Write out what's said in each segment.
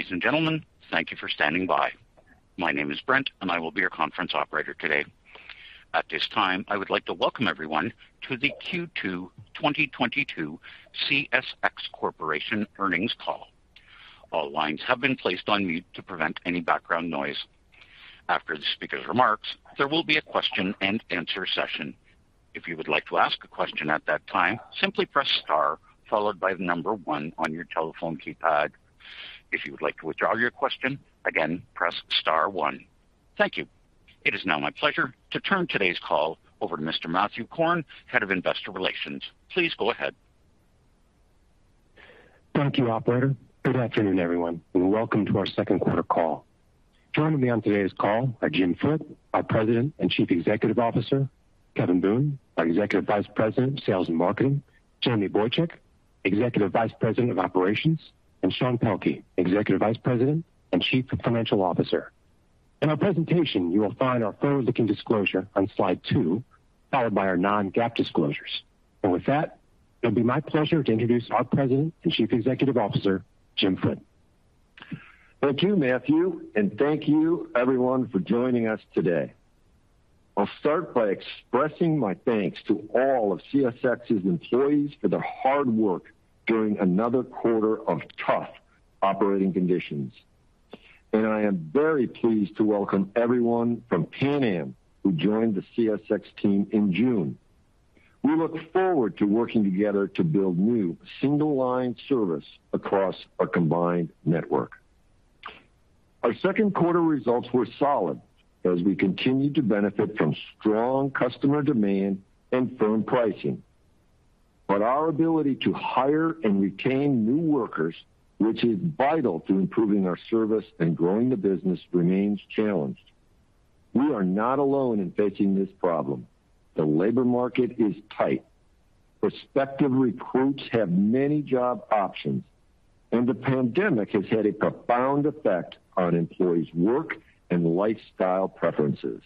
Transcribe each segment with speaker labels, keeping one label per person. Speaker 1: Ladies and gentlemen, thank you for standing by. My name is Brent, and I will be your conference operator today. At this time, I would like to welcome everyone to the Q2 2022 CSX Corporation earnings call. All lines have been placed on mute to prevent any background noise. After the speaker's remarks, there will be a question-and-answer session. If you would like to ask a question at that time, simply press star followed by the number one on your telephone keypad. If you would like to withdraw your question, again, press star one. Thank you. It is now my pleasure to turn today's call over to Mr. Matthew Korn, Head of Investor Relations. Please go ahead.
Speaker 2: Thank you, operator. Good afternoon, everyone, and welcome to our Q2 call. Joining me on today's call are Jim Foote, our President and Chief Executive Officer, Kevin Boone, our Executive Vice President of Sales and Marketing, Jamie Boychuk, Executive Vice President of Operations, and Sean Pelkey, Executive Vice President and Chief Financial Officer. In our presentation, you will find our forward-looking disclosure on slide two, followed by our non-GAAP disclosures. With that, it'll be my pleasure to introduce our President and Chief Executive Officer, Jim Foote.
Speaker 3: Thank you, Matthew, and thank you everyone for joining us today. I'll start by expressing my thanks to all of CSX's employees for their hard work during another quarter of tough operating conditions. I am very pleased to welcome everyone from Pan Am who joined the CSX team in June. We look forward to working together to build new single-line service across our combined network. Our Q2 results were solid as we continued to benefit from strong customer demand and firm pricing. But our ability to hire and retain new workers, which is vital to improving our service and growing the business, remains challenged. We are not alone in facing this problem. The labor market is tight. Prospective recruits have many job options, and the pandemic has had a profound effect on employees' work and lifestyle preferences.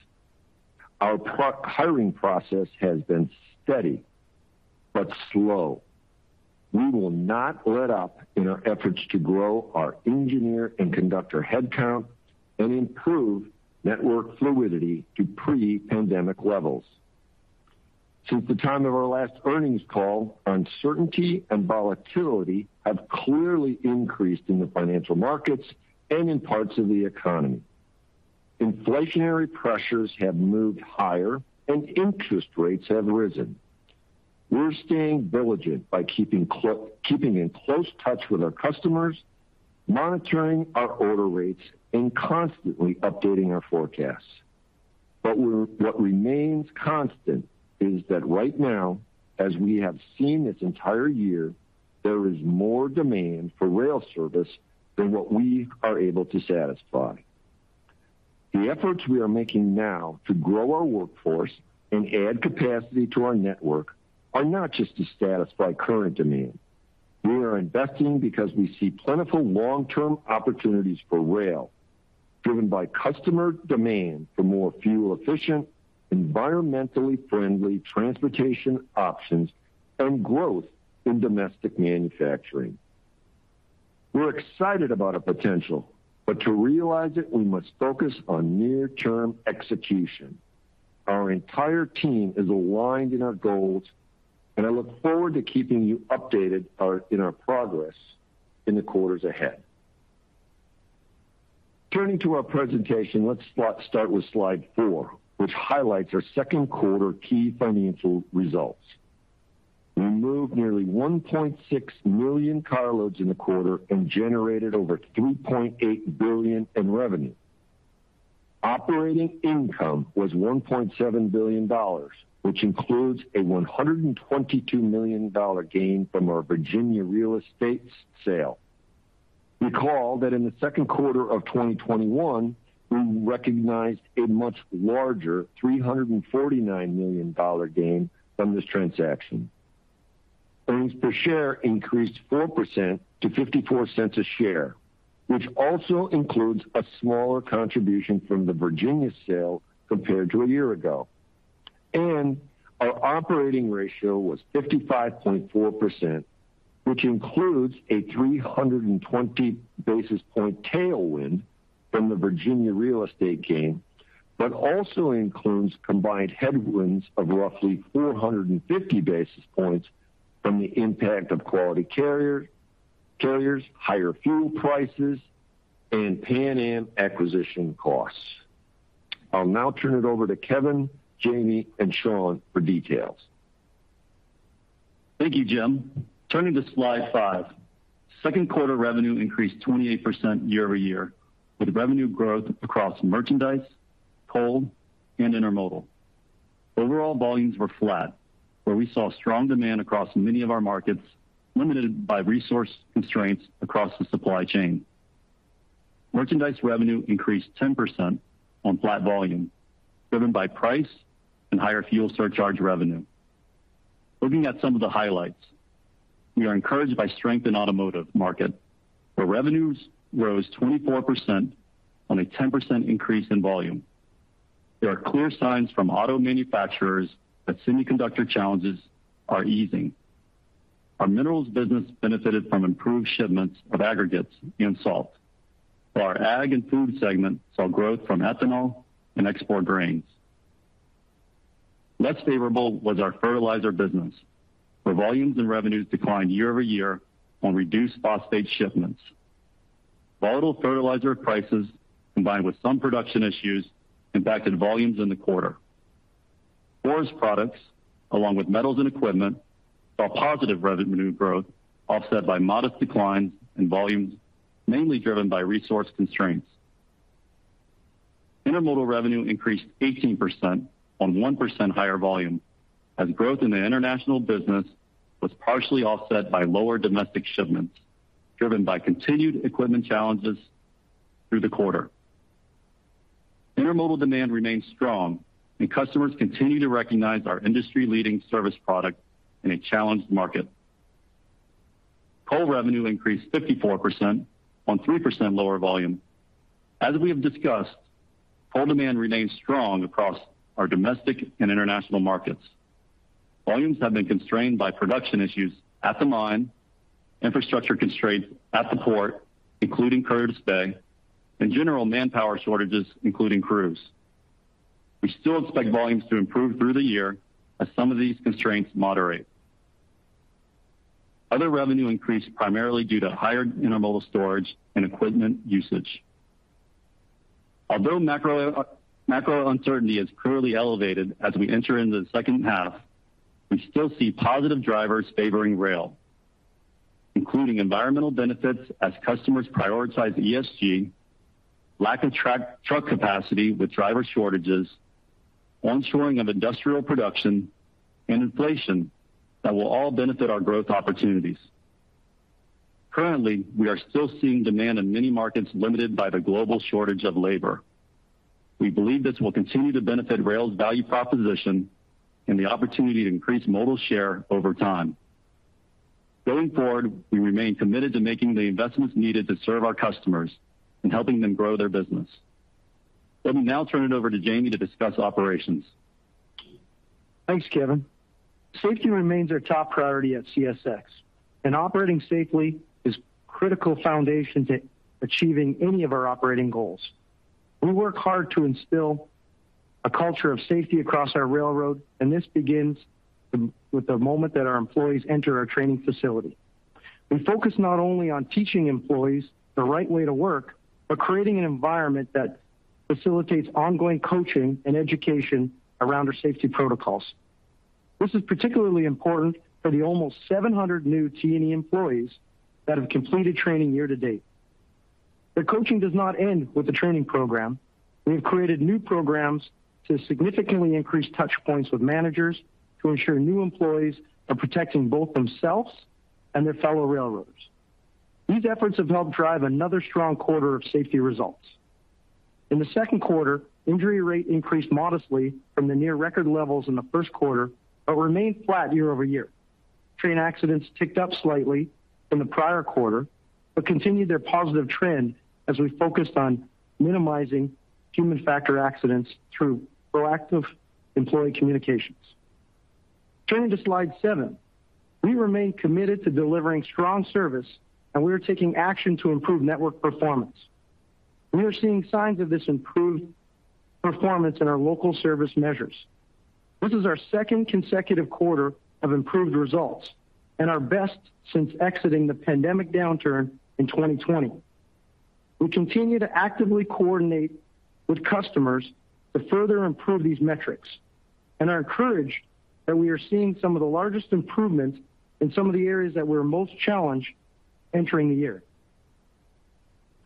Speaker 3: Our truck hiring process has been steady, but slow. We will not let up in our efforts to grow our engineer and conductor headcount and improve network fluidity to pre-pandemic levels. Since the time of our last earnings call, uncertainty and volatility have clearly increased in the financial markets and in parts of the economy. Inflationary pressures have moved higher, and interest rates have risen. We're staying diligent by keeping in close touch with our customers, monitoring our order rates, and constantly updating our forecasts. What remains constant is that right now, as we have seen this entire year, there is more demand for rail service than what we are able to satisfy. The efforts we are making now to grow our workforce and add capacity to our network are not just to satisfy current demand. We are investing because we see plentiful long-term opportunities for rail, driven by customer demand for more fuel-efficient, environmentally friendly transportation options and growth in domestic manufacturing. We're excited about a potential, but to realize it, we must focus on near-term execution. Our entire team is aligned in our goals, and I look forward to keeping you updated on our progress in the quarters ahead. Turning to our presentation, let's start with slide four, which highlights our Q2 key financial results. We moved nearly 1.6 million carloads in the quarter and generated over $3.8 billion in revenue. Operating income was $1.7 billion, which includes a $122 million gain from our Virginia real estate sale. Recall that in the Q2 of 2021, we recognized a much larger $349 million dollar gain from this transaction. Earnings per share increased 4% to 54 cents a share, which also includes a smaller contribution from the Virginia sale compared to a year ago. Our operating ratio was 55.4%, which includes a 320 basis point tailwind from the Virginia real estate gain, but also includes combined headwinds of roughly 450 basis points from the impact of Quality Carriers, higher fuel prices, and Pan Am acquisition costs. I'll now turn it over to Kevin, Jamie, and Sean for details.
Speaker 4: Thank you, Jim. Turning to slide five. Q2 revenue increased 28% year-over-year, with revenue growth across merchandise, coal, and intermodal. Overall volumes were flat, where we saw strong demand across many of our markets, limited by resource constraints across the supply chain. Merchandise revenue increased 10% on flat volume, driven by price and higher fuel surcharge revenue. Looking at some of the highlights, we are encouraged by strength in automotive market, where revenues rose 24% on a 10% increase in volume. There are clear signs from auto manufacturers that semiconductor challenges are easing. Our minerals business benefited from improved shipments of aggregates and salt, while our ag and food segment saw growth from ethanol and export grains. Less favorable was our fertilizer business, where volumes and revenues declined year-over-year on reduced phosphate shipments. Volatile fertilizer prices, combined with some production issues, impacted volumes in the quarter. Forest Products, along with metals and equipment, saw positive revenue growth offset by modest declines in volumes, mainly driven by resource constraints. Intermodal revenue increased 18% on 1% higher volume as growth in the international business was partially offset by lower domestic shipments, driven by continued equipment challenges through the quarter. Intermodal demand remains strong, and customers continue to recognize our industry-leading service product in a challenged market. Coal revenue increased 54% on 3% lower volume. As we have discussed, coal demand remains strong across our domestic and international markets. Volumes have been constrained by production issues at the mine, infrastructure constraints at the port, including Curtis Bay, and general manpower shortages, including crews. We still expect volumes to improve through the year as some of these constraints moderate. Other revenue increased primarily due to higher intermodal storage and equipment usage. Although macro uncertainty is clearly elevated as we enter into the second half, we still see positive drivers favoring rail, including environmental benefits as customers prioritize ESG, lack of truck capacity with driver shortages, on-shoring of industrial production, and inflation that will all benefit our growth opportunities. Currently, we are still seeing demand in many markets limited by the global shortage of labor. We believe this will continue to benefit rail's value proposition and the opportunity to increase modal share over time. Going forward, we remain committed to making the investments needed to serve our customers in helping them grow their business. Let me now turn it over to Jamie to discuss operations.
Speaker 5: Thanks, Kevin. Safety remains our top priority at CSX, and operating safely is a critical foundation to achieving any of our operating goals. We work hard to instill a culture of safety across our railroad, and this begins with the moment that our employees enter our training facility. We focus not only on teaching employees the right way to work, but creating an environment that facilitates ongoing coaching and education around our safety protocols. This is particularly important for the almost 700 new T&E employees that have completed training year-to-date. The coaching does not end with the training program. We have created new programs to significantly increase touch points with managers to ensure new employees are protecting both themselves and their fellow railroaders. These efforts have helped drive another strong quarter of safety results. In the Q2, injury rate increased modestly from the near record levels in the Q1 but remained flat year-over-year. Train accidents ticked up slightly from the prior quarter, but continued their positive trend as we focused on minimizing human factor accidents through proactive employee communications. Turning to slide 7. We remain committed to delivering strong service, and we are taking action to improve network performance. We are seeing signs of this improved performance in our local service measures. This is our second consecutive quarter of improved results and our best since exiting the pandemic downturn in 2020. We continue to actively coordinate with customers to further improve these metrics, and are encouraged that we are seeing some of the largest improvements in some of the areas that we're most challenged entering the year.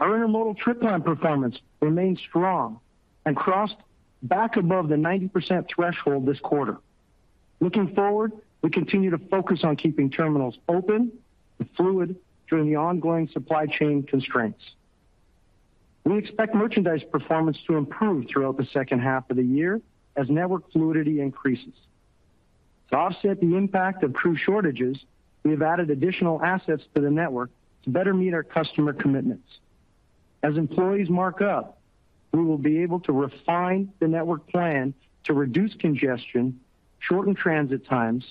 Speaker 5: Our intermodal trip time performance remained strong and crossed back above the 90% threshold this quarter. Looking forward, we continue to focus on keeping terminals open and fluid during the ongoing supply chain constraints. We expect merchandise performance to improve throughout the second half of the year as network fluidity increases. To offset the impact of crew shortages, we have added additional assets to the network to better meet our customer commitments. As employees mark up, we will be able to refine the network plan to reduce congestion, shorten transit times,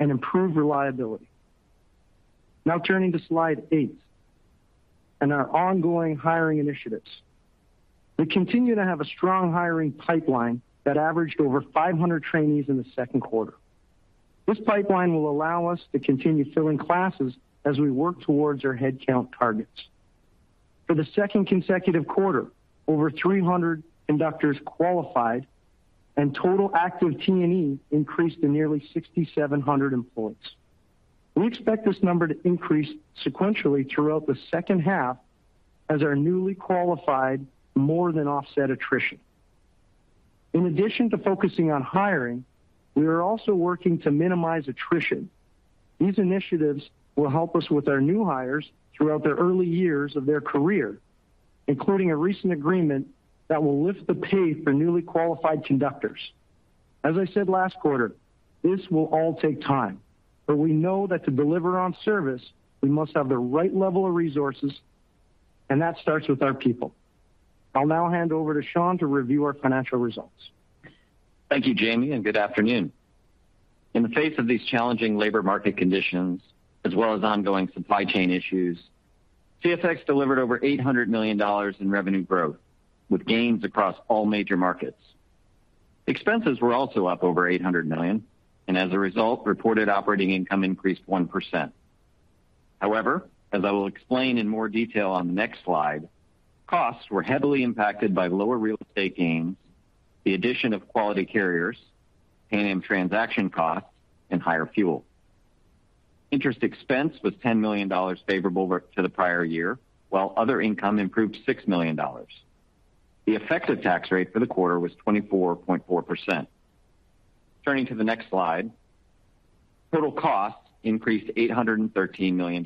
Speaker 5: and improve reliability. Now turning to slide 8 and our ongoing hiring initiatives. We continue to have a strong hiring pipeline that averaged over 500 trainees in the Q2. This pipeline will allow us to continue filling classes as we work towards our headcount targets. For the second consecutive quarter, over 300 conductors qualified and total active T&E increased to nearly 6,700 employees. We expect this number to increase sequentially throughout the second half as our newly qualified more than offset attrition. In addition to focusing on hiring, we are also working to minimize attrition. These initiatives will help us with our new hires throughout their early years of their career, including a recent agreement that will lift the pay for newly qualified conductors.
Speaker 3: As I said last quarter, this will all take time, but we know that to deliver on service, we must have the right level of resources, and that starts with our people. I'll now hand over to Sean to review our financial results.
Speaker 6: Thank you, Jamie, and good afternoon. In the face of these challenging labor market conditions as well as ongoing supply chain issues, CSX delivered over $800 million in revenue growth with gains across all major markets. Expenses were also up over $800 million and as a result, reported operating income increased 1%. However, as I will explain in more detail on the next slide, costs were heavily impacted by lower real estate gains, the addition of Quality Carriers, Pan Am transaction costs and higher fuel. Interest expense was $10 million favorable relative to the prior year, while other income improved $6 million. The effective tax rate for the quarter was 24.4%. Turning to the next slide. Total costs increased $813 million.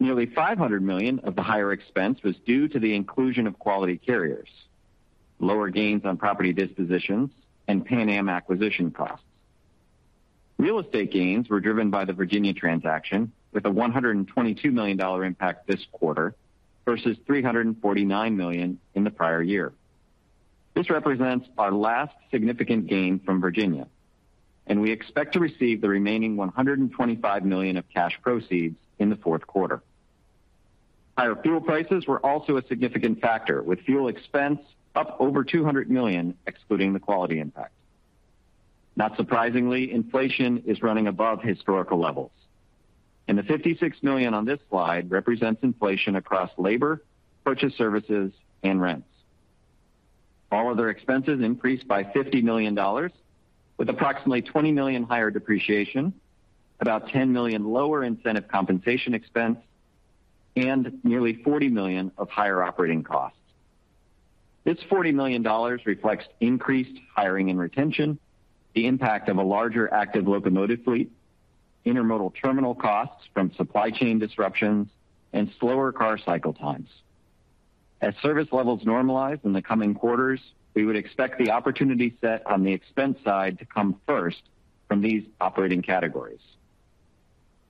Speaker 6: Nearly $500 million of the higher expense was due to the inclusion of Quality Carriers, lower gains on property dispositions, and Pan Am Railways acquisition costs. Real estate gains were driven by the Virginia transaction with a $122 million impact this quarter versus $349 million in the prior year. This represents our last significant gain from Virginia, and we expect to receive the remaining $125 million of cash proceeds in the Q4. Higher fuel prices were also a significant factor, with fuel expense up over $200 million, excluding the quality impact. Not surprisingly, inflation is running above historical levels, and the $56 million on this slide represents inflation across labor, purchased services and rents. All other expenses increased by $50 million, with approximately $20 million higher depreciation, about $10 million lower incentive compensation expense, and nearly $40 million of higher operating costs. This $40 million reflects increased hiring and retention, the impact of a larger active locomotive fleet, intermodal terminal costs from supply chain disruptions and slower car cycle times. As service levels normalize in the coming quarters, we would expect the opportunity set on the expense side to come first from these operating categories.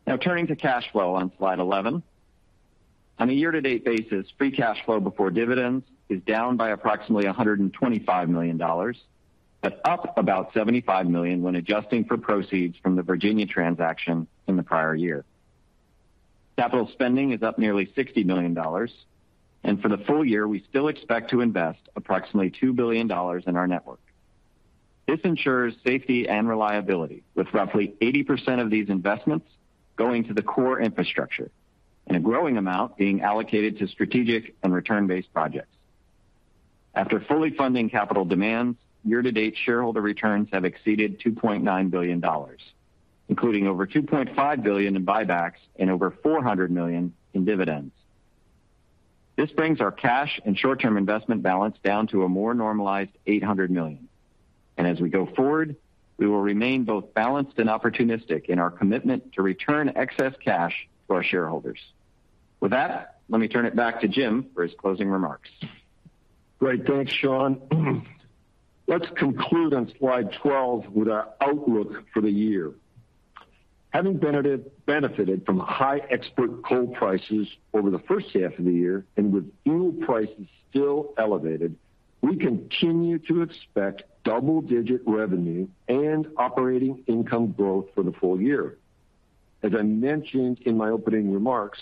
Speaker 6: Now turning to cash flow on slide 11. On a year-to-date basis, free cash flow before dividends is down by approximately $125 million, but up about $75 million when adjusting for proceeds from the Virginia transaction in the prior year. Capital spending is up nearly $60 million. For the full year, we still expect to invest approximately $2 billion in our network. This ensures safety and reliability, with roughly 80% of these investments going to the core infrastructure and a growing amount being allocated to strategic and return-based projects. After fully funding capital demands, year-to-date shareholder returns have exceeded $2.9 billion, including over $2.5 billion in buybacks and over $400 million in dividends. This brings our cash and short-term investment balance down to a more normalized $800 million. As we go forward, we will remain both balanced and opportunistic in our commitment to return excess cash to our shareholders. With that, let me turn it back to Jim for his closing remarks.
Speaker 3: Great. Thanks, Sean. Let's conclude on slide 12 with our outlook for the year. Having benefited from high export coal prices over the first half of the year and with fuel prices still elevated, we continue to expect double-digit revenue and operating income growth for the full year. As I mentioned in my opening remarks,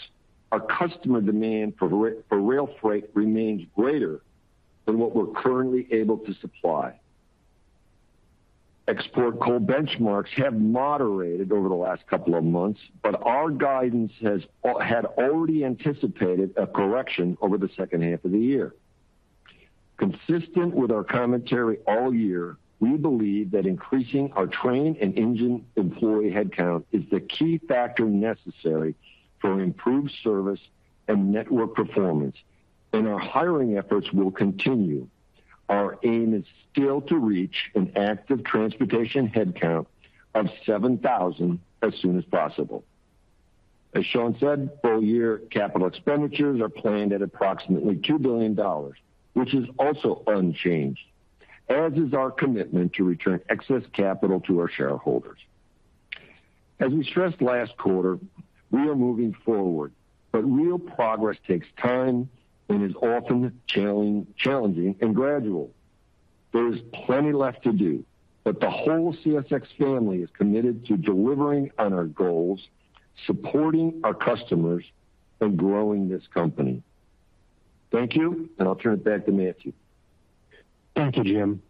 Speaker 3: our customer demand for rail freight remains greater than what we're currently able to supply. Export coal benchmarks have moderated over the last couple of months, but our guidance has had already anticipated a correction over the second half of the year. Consistent with our commentary all year, we believe that increasing our train and engine employee headcount is the key factor necessary for improved service and network performance, and our hiring efforts will continue. Our aim is still to reach an active transportation headcount of 7,000 as soon as possible. As Sean said, full-year capital expenditures are planned at approximately $2 billion, which is also unchanged, as is our commitment to return excess capital to our shareholders. As we stressed last quarter, we are moving forward, but real progress takes time and is often challenging and gradual. There is plenty left to do, but the whole CSX family is committed to delivering on our goals, supporting our customers, and growing this company. Thank you, and I'll turn it back to Matthew.
Speaker 2: Thank you, Jim.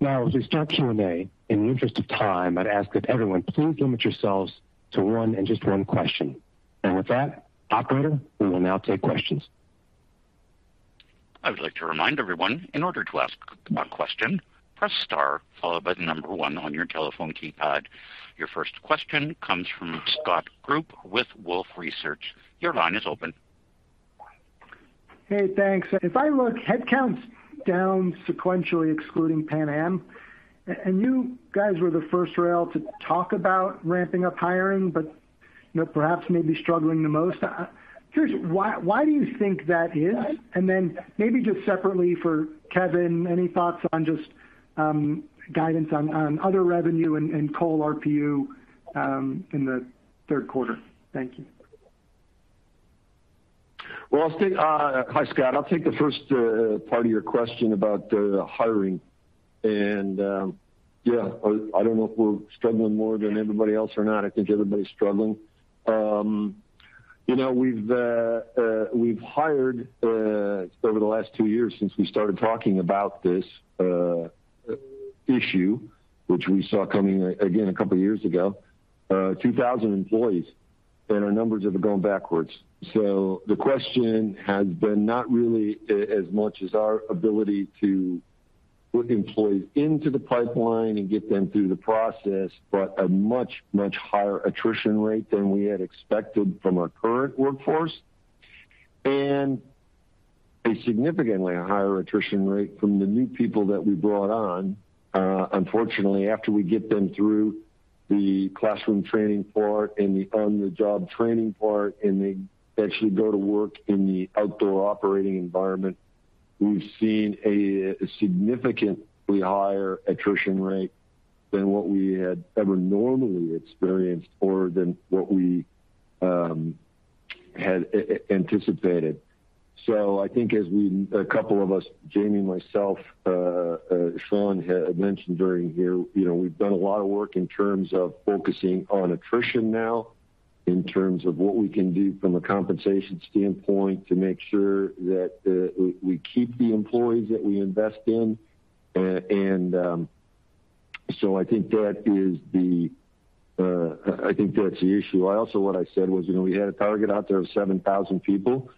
Speaker 2: Now, as we start Q&A, in the interest of time, I'd ask that everyone please limit yourselves to one and just one question. With that, operator, we will now take questions.
Speaker 1: I would like to remind everyone, in order to ask a question, press star followed by the number one on your telephone keypad. Your first question comes from Scott Group with Wolfe Research. Your line is open.
Speaker 7: Hey, thanks. If I look, headcount's down sequentially, excluding Pan Am. You guys were the first rail to talk about ramping up hiring, but You know, perhaps maybe struggling the most. Curious, why do you think that is? Then maybe just separately for Kevin, any thoughts on just guidance on other revenue and coal RPU in the Q3? Thank you.
Speaker 3: Well, I'll take, Hi, Scott. I'll take the first part of your question about the hiring and, yeah, I don't know if we're struggling more than everybody else or not. I think everybody's struggling. You know, we've hired over the last two years since we started talking about this issue, which we saw coming again a couple of years ago, 2,000 employees, and our numbers have gone backwards. The question has been not really as much as our ability to put employees into the pipeline and get them through the process, but a much, much higher attrition rate than we had expected from our current workforce. A significantly higher attrition rate from the new people that we brought on. Unfortunately, after we get them through the classroom training part and the on-the-job training part, and they actually go to work in the outdoor operating environment, we've seen a significantly higher attrition rate than what we had ever normally experienced or than what we had anticipated. I think a couple of us, Jamie, myself, Sean had mentioned during here, we've done a lot of work in terms of focusing on attrition now, in terms of what we can do from a compensation standpoint to make sure that we keep the employees that we invest in. I think that is the issue. What I said was, we had a target out there of 7,000 people.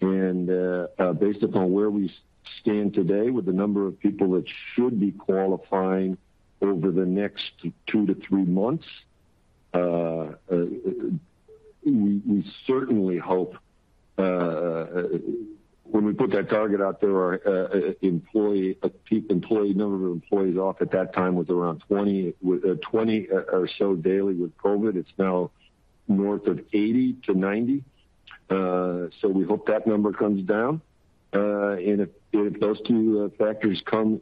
Speaker 3: Based upon where we stand today with the number of people that should be qualifying over the next 2-3 months, we certainly hope when we put that target out there, our number of employees off at that time was around 20 with 20 or so daily with COVID. It's now north of 80-90. We hope that number comes down. If those two factors come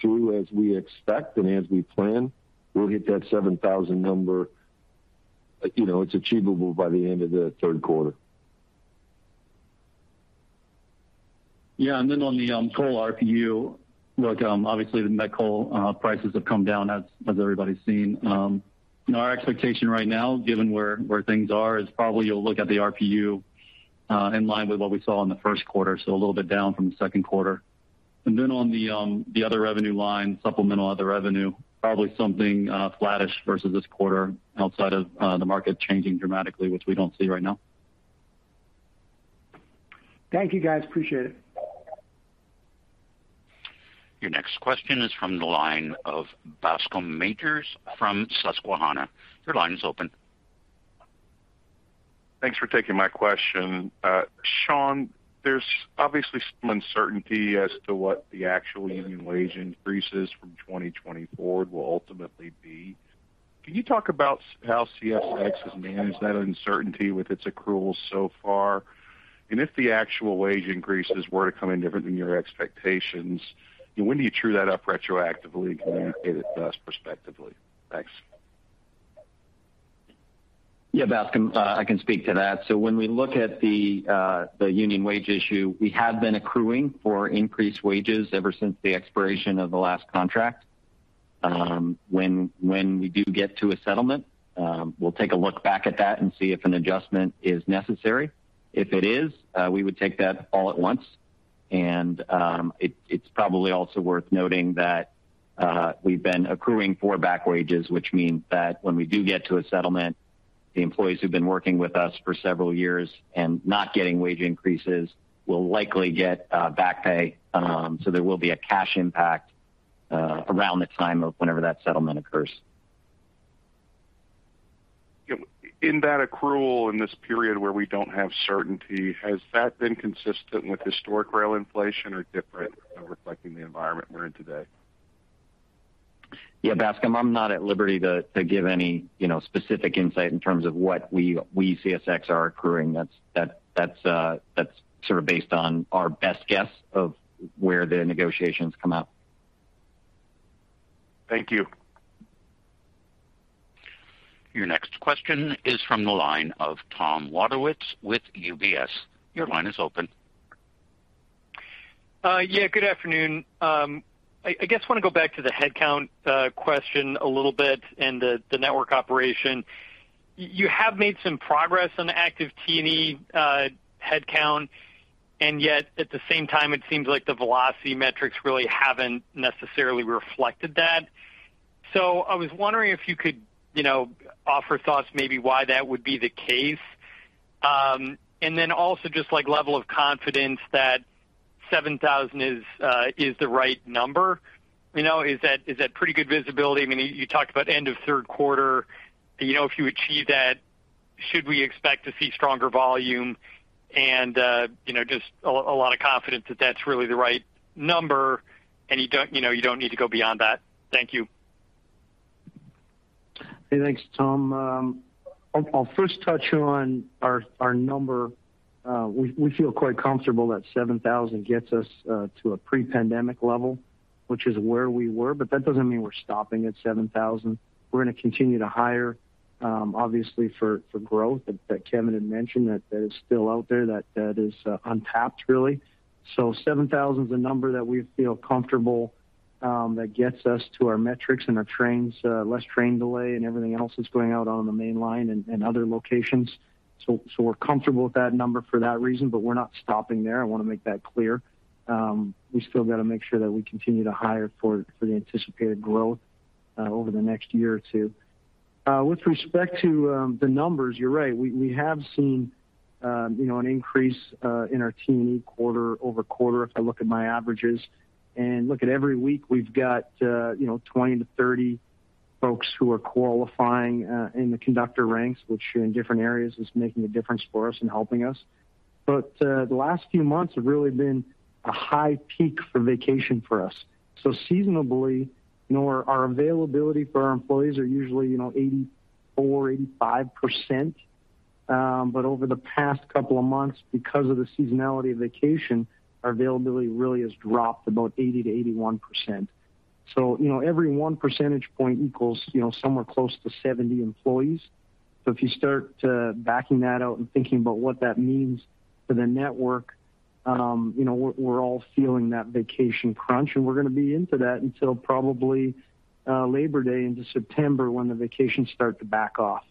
Speaker 3: through as we expect and as we plan, we'll hit that 7,000 number. You know, it's achievable by the end of the Q3.
Speaker 4: Yeah. Then on the coal RPU, look, obviously the met coal prices have come down as everybody's seen. Our expectation right now, given where things are, is probably you'll look at the RPU in line with what we saw in the Q1, so a little bit down from the Q2. Then on the other revenue line, supplemental other revenue, probably something flattish versus this quarter outside of the market changing dramatically, which we don't see right now.
Speaker 7: Thank you, guys. Appreciate it.
Speaker 1: Your next question is from the line of Bascome Majors from Susquehanna. Your line is open.
Speaker 8: Thanks for taking my question. Sean, there's obviously some uncertainty as to what the actual union wage increases from 2020 forward will ultimately be. Can you talk about how CSX has managed that uncertainty with its accruals so far? If the actual wage increases were to come in different than your expectations, when do you true that up retroactively and communicate it to us prospectively? Thanks.
Speaker 6: Yeah, Bascome, I can speak to that. When we look at the union wage issue, we have been accruing for increased wages ever since the expiration of the last contract. When we do get to a settlement, we'll take a look back at that and see if an adjustment is necessary. If it is, we would take that all at once. It's probably also worth noting that we've been accruing for back wages, which means that when we do get to a settlement, the employees who've been working with us for several years and not getting wage increases will likely get back pay. There will be a cash impact around the time of whenever that settlement occurs.
Speaker 8: In that accrual, in this period where we don't have certainty, has that been consistent with historic rail inflation or different, reflecting the environment we're in today?
Speaker 6: Yeah, Bascome, I'm not at liberty to give any, specific insight in terms of what we CSX are accruing. That's sort of based on our best guess of where the negotiations come out.
Speaker 8: Thank you.
Speaker 1: Your next question is from the line of Thomas Wadewitz with UBS. Your line is open.
Speaker 9: Yeah, good afternoon. I guess want to go back to the headcount question a little bit and the network operation. You have made some progress on the active TE headcount, and yet at the same time, it seems like the velocity metrics really haven't necessarily reflected that. So, I was wondering if you could, offer thoughts maybe why that would be the case. And then also just like level of confidence that 7,000 is the right number. You know, that pretty good visibility? I mean, you talked about end of Q3. You know, if you achieve that, should we expect to see stronger volume? You know, just a lot of confidence that that's really the right number, and you don't need to go beyond that. Thank you.
Speaker 5: Hey, thanks, Tom. I'll first touch on our number. We feel quite comfortable that 7,000 gets us to a pre-pandemic level, which is where we were, but that doesn't mean we're stopping at 7,000. We're gonna continue to hire, obviously for growth that Kevin had mentioned that is still out there, that is untapped really. So 7,000 is a number that we feel comfortable that gets us to our metrics and our trains, less train delay and everything else that's going out on the main line and other locations. We're comfortable with that number for that reason, but we're not stopping there. I wanna make that clear. We still gotta make sure that we continue to hire for the anticipated growth over the next year or two. With respect to the numbers, you're right. We have seen an increase in our T&E quarter-over-quarter if I look at my averages. Look at every week we've got 20-30 folks who are qualifying in the conductor ranks, which in different areas is making a difference for us and helping us. The last few months have really been a high peak for vacation for us. Seasonally, our availability for our employees are usually 84-85%. But over the past couple of months, because of the seasonality of vacation, our availability really has dropped about 80-81%. You know, every 1 percentage point equals somewhere close to 70 employees. If you start backing that out and thinking about what that means for the network, we're all feeling that vacation crunch, and we're gonna be into that until probably Labor Day into September when the vacations start to back off.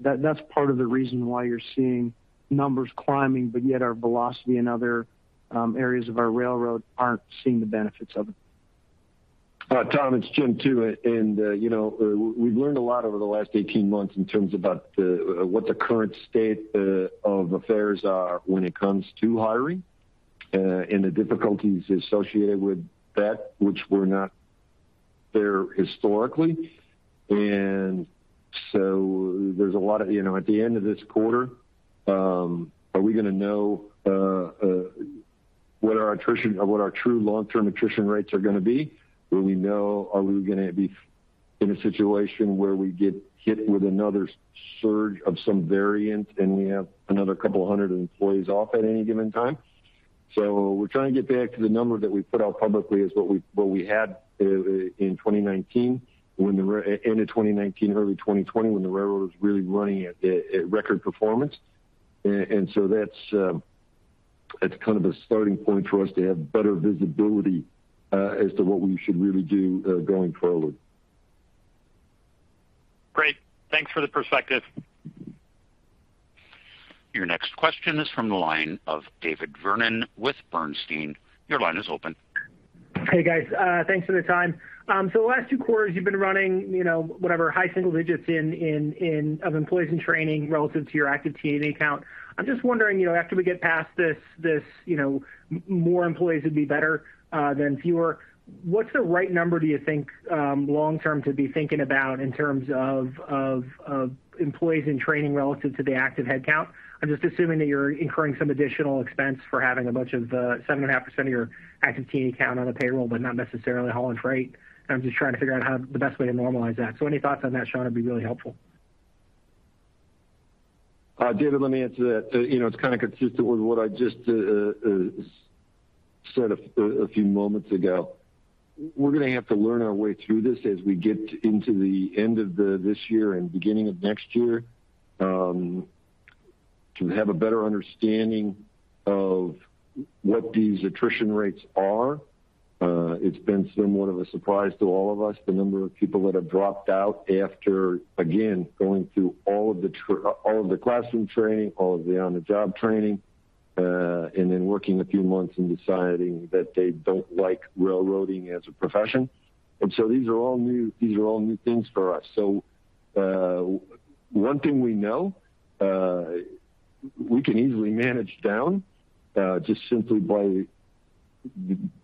Speaker 5: That's part of the reason why you're seeing numbers climbing, but yet our velocity in other areas of our railroad aren't seeing the benefits of it.
Speaker 3: Tom, it's Jim, too. You know, we've learned a lot over the last 18 months in terms of what the current state of affairs are when it comes to hiring and the difficulties associated with that, which were not there historically. You know, at the end of this quarter, are we gonna know what our attrition or what our true long-term attrition rates are gonna be? Will we know, are we gonna be in a situation where we get hit with another surge of some variant, and we have another couple of 100 employees off at any given time? We're trying to get back to the number that we put out publicly as what we had in 2019, end of 2019, early 2020, when the railroad was really running at record performance. That's kind of a starting point for us to have better visibility as to what we should really do going forward.
Speaker 9: Great. Thanks for the perspective.
Speaker 1: Your next question is from the line of David Vernon with AllianceBernstein. Your line is open.
Speaker 10: Hey, guys. Thanks for the time. The last two quarters you've been running, whatever high single digits of employees in training relative to your active T&E account. I'm just wondering, after we get past this, more employees would be better than fewer. What's the right number, do you think, long term to be thinking about in terms of employees in training relative to the active headcount? I'm just assuming that you're incurring some additional expense for having a bunch of 7.5% of your active T&E count on the payroll, but not necessarily hauling freight. I'm just trying to figure out how the best way to normalize that. Any thoughts on that, Sean, would be really helpful.
Speaker 3: David, let me answer that. You know, it's kind of consistent with what I just said a few moments ago. We're gonna have to learn our way through this as we get into the end of this year and beginning of next year to have a better understanding of what these attrition rates are. It's been somewhat of a surprise to all of us, the number of people that have dropped out after, again, going through all of the classroom training, all of the on-the-job training, and then working a few months and deciding that they don't like railroading as a profession. These are all new things for us. One thing we know, we can easily manage down, just simply by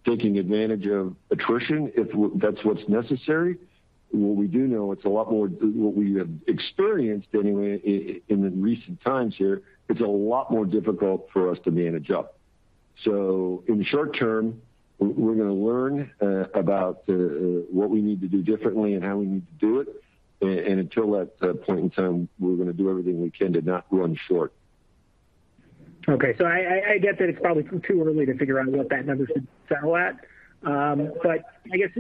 Speaker 3: taking advantage of attrition if that's what's necessary. What we do know, what we have experienced anyway in the recent times here, it's a lot more difficult for us to manage up. In the short term, we're gonna learn about what we need to do differently and how we need to do it. And until that point in time, we're gonna do everything we can to not run short.
Speaker 10: I get that it's probably too early to figure out what that number should settle at. I guess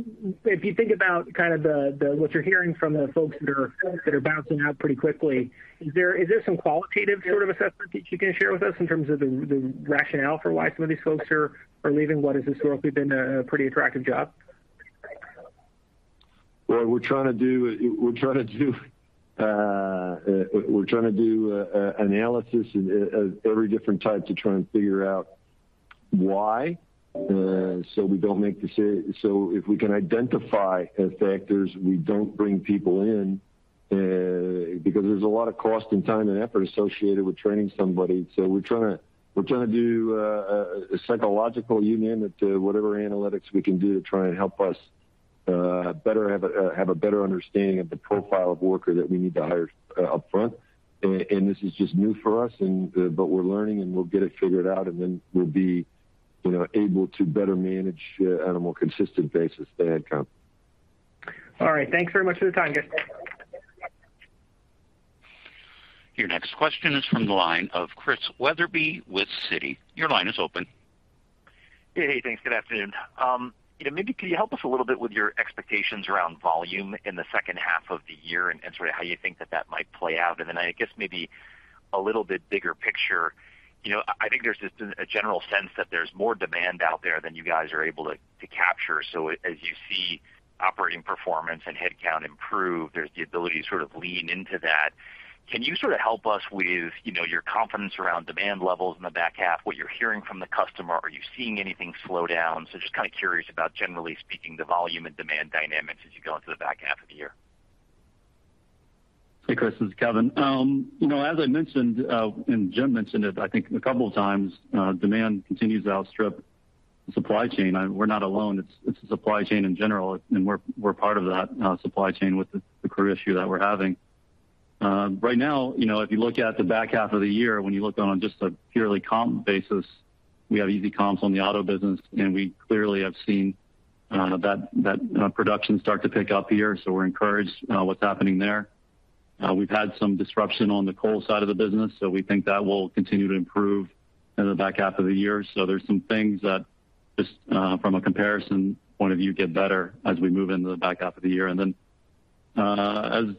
Speaker 10: if you think about kind of what you're hearing from the folks that are bouncing out pretty quickly, is there some qualitative sort of assessment that you can share with us in terms of the rationale for why some of these folks are leaving what has historically been a pretty attractive job?
Speaker 3: Well, we're trying to do analysis of every different type to try and figure out why. If we can identify the factors, we don't bring people in because there's a lot of cost and time and effort associated with training somebody. We're trying to do a psychological unit whatever analytics we can do to try and help us. Better have a better understanding of the profile of worker that we need to hire upfront. This is just new for us and, but we're learning, and we'll get it figured out, and then we'll be, able to better manage at a more consistent basis the headcount.
Speaker 10: All right. Thanks very much for the time, guys.
Speaker 1: Your next question is from the line of Christian Wetherbee with Citi. Your line is open.
Speaker 11: Hey, thanks. Good afternoon. You know, maybe could you help us a little bit with your expectations around volume in the second half of the year and sort of how you think that might play out? Then I guess maybe a little bit bigger picture. You know, I think there's just a general sense that there's more demand out there than you guys are able to capture. As you see operating performance and headcount improve, there's the ability to sort of lean into that. Can you sort of help us with, your confidence around demand levels in the back half, what you're hearing from the customer? Are you seeing anything slow down? Just kind of curious about, generally speaking, the volume and demand dynamics as you go into the back half of the year.
Speaker 4: Hey, Chris Wetherbee, this is Kevin Boone. You know, as I mentioned, and Jim Foote mentioned it, I think a couple of times, demand continues to outstrip supply. We're not alone. It's a supply chain in general, and we're part of that supply chain with the crew issue that we're having. Right now, if you look at the back half of the year, when you look on just a purely comp basis, we have easy comps on the auto business, and we clearly have seen that production start to pick up here. We're encouraged by what's happening there. We've had some disruption on the coal side of the business, so we think that will continue to improve in the back half of the year. There's some things that just, from a comparison point of view, get better as we move into the back half of the year. Then, as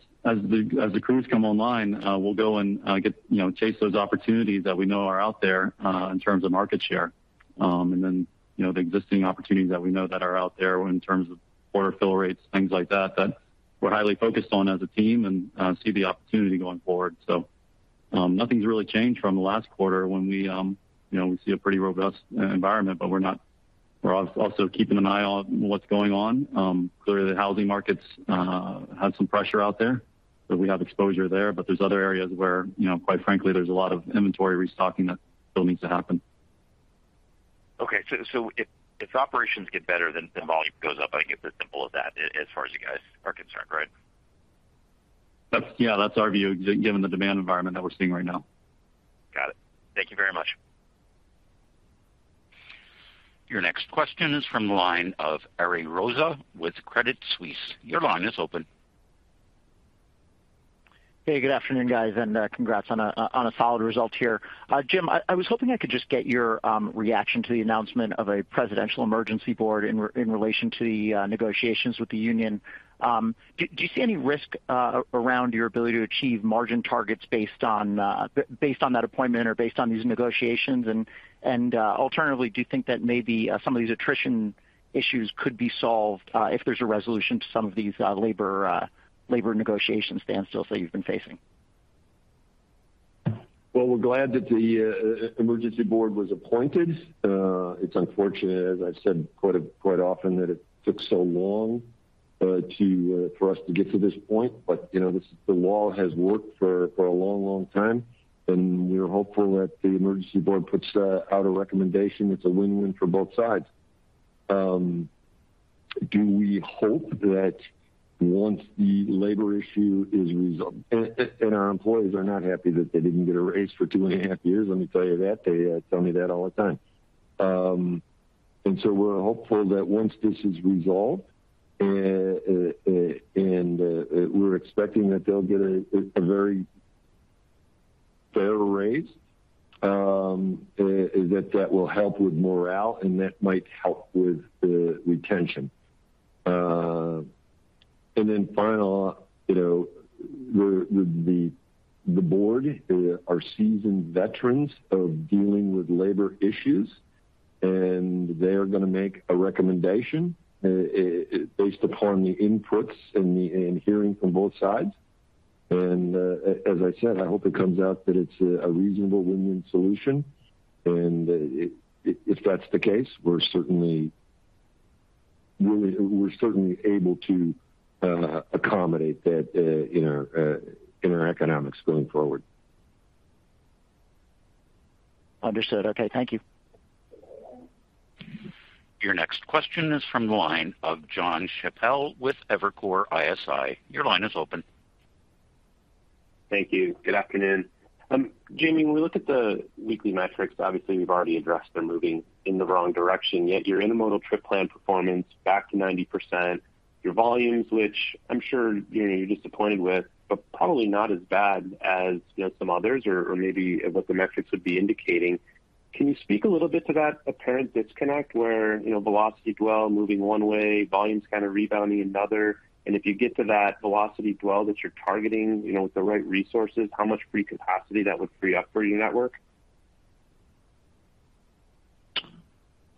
Speaker 4: the crews come online, we'll go and, chase those opportunities that we know are out there, in terms of market share. Then, the existing opportunities that we know that are out there in terms of order fill rates, things like that we're highly focused on as a team and, see the opportunity going forward. Nothing's really changed from last quarter when we see a pretty robust environment, but we're also keeping an eye on what's going on. Clearly, the housing markets had some pressure out there, so we have exposure there. There's other areas where, quite frankly, there's a lot of inventory restocking that still needs to happen.
Speaker 11: Okay. If operations get better, then volume goes up. I think it's as simple as that as far as you guys are concerned, right?
Speaker 4: Yeah, that's our view, given the demand environment that we're seeing right now.
Speaker 11: Got it. Thank you very much.
Speaker 1: Your next question is from the line of Ariel Rosa with Credit Suisse. Your line is open.
Speaker 12: Hey, good afternoon, guys, and congrats on a solid result here. Jim, I was hoping I could just get your reaction to the announcement of a Presidential Emergency Board in relation to the negotiations with the union. Do you see any risk around your ability to achieve margin targets based on that appointment or based on these negotiations? Alternatively, do you think that maybe some of these attrition issues could be solved if there's a resolution to some of these labor negotiation standstills that you've been facing?
Speaker 3: Well, we're glad that the emergency board was appointed. It's unfortunate, as I've said quite often, that it took so long for us to get to this point. You know, the law has worked for a long time, and we're hopeful that the emergency board puts out a recommendation that's a win-win for both sides. We do hope that once the labor issue is resolved, and our employees are not happy that they didn't get a raise for two and a half years, let me tell you that. They tell me that all the time. We're hopeful that once this is resolved, and we're expecting that they'll get a very fair raise, that will help with morale, and that might help with retention. Finally, the board are seasoned veterans of dealing with labor issues, and they are gonna make a recommendation based upon the inputs and hearing from both sides. As I said, I hope it comes out that it's a reasonable win-win solution. If that's the case, we're certainly able to accommodate that in our economics going forward.
Speaker 12: Understood. Okay, thank you.
Speaker 1: Your next question is from the line of Jonathan Chappell with Evercore ISI. Your line is open.
Speaker 13: Thank you. Good afternoon. Jamie, when we look at the weekly metrics, obviously, you've already addressed they're moving in the wrong direction, yet you're in intermodal trip plan performance back to 90%. Your volumes, which I'm sure you're, disappointed with, but probably not as bad as, you know, some others or maybe what the metrics would be indicating. Can you speak a little bit to that apparent disconnect where know, velocity dwell moving one way, volumes kinda rebounding another? If you get to that velocity dwell that you're targeting, with the right resources, how much free capacity that would free up for your network?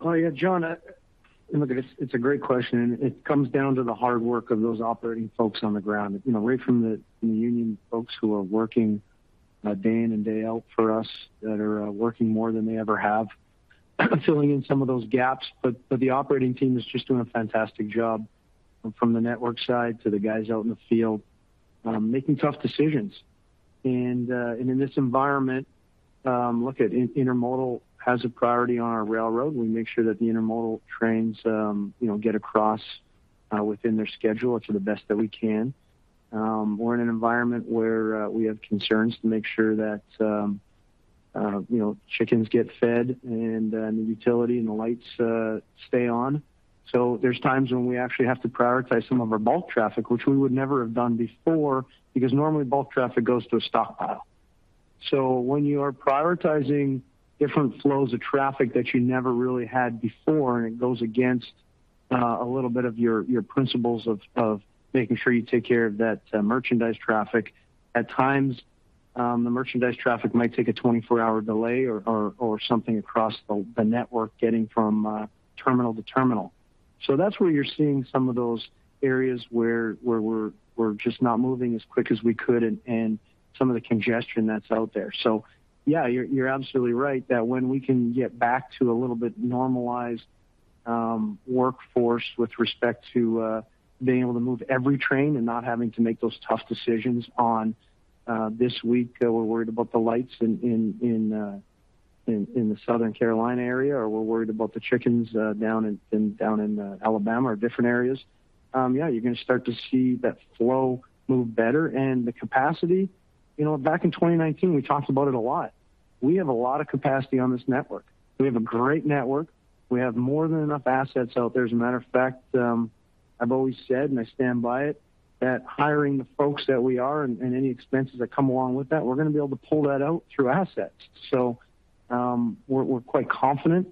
Speaker 5: Oh, yeah, John, look, it's a great question, and it comes down to the hard work of those operating folks on the ground. You know, right from the union folks who are working day in and day out for us that are working more than they ever have, filling in some of those gaps. The operating team is just doing a fantastic job from the network side to the guys out in the field, making tough decisions. In this environment, look, intermodal has a priority on our railroad. We make sure that the intermodal trains, get across within their schedule to the best that we can. We're in an environment where we have concerns to make sure that chickens get fed and the utility and the lights stay on. There's times when we actually have to prioritize some of our bulk traffic, which we would never have done before, because normally bulk traffic goes to a stockpile. When you are prioritizing different flows of traffic that you never really had before, and it goes against a little bit of your principles of making sure you take care of that merchandise traffic. At times, the merchandise traffic might take a 24-hour delay or something across the network getting from terminal to terminal. That's where you're seeing some of those areas where we're just not moving as quick as we could and some of the congestion that's out there. Yeah, you're absolutely right that when we can get back to a little bit normalized workforce with respect to being able to move every train and not having to make those tough decisions on this week, we're worried about the lights in the South Carolina area, or we're worried about the chickens down in Alabama or different areas. Yeah, you're gonna start to see that flow move better. The capacity, back in 2019, we talked about it a lot. We have a lot of capacity on this network. We have a great network. We have more than enough assets out there. As a matter of fact, I've always said, and I stand by it, that hiring the folks that we are and any expenses that come along with that, we're gonna be able to pull that out through assets. We're quite confident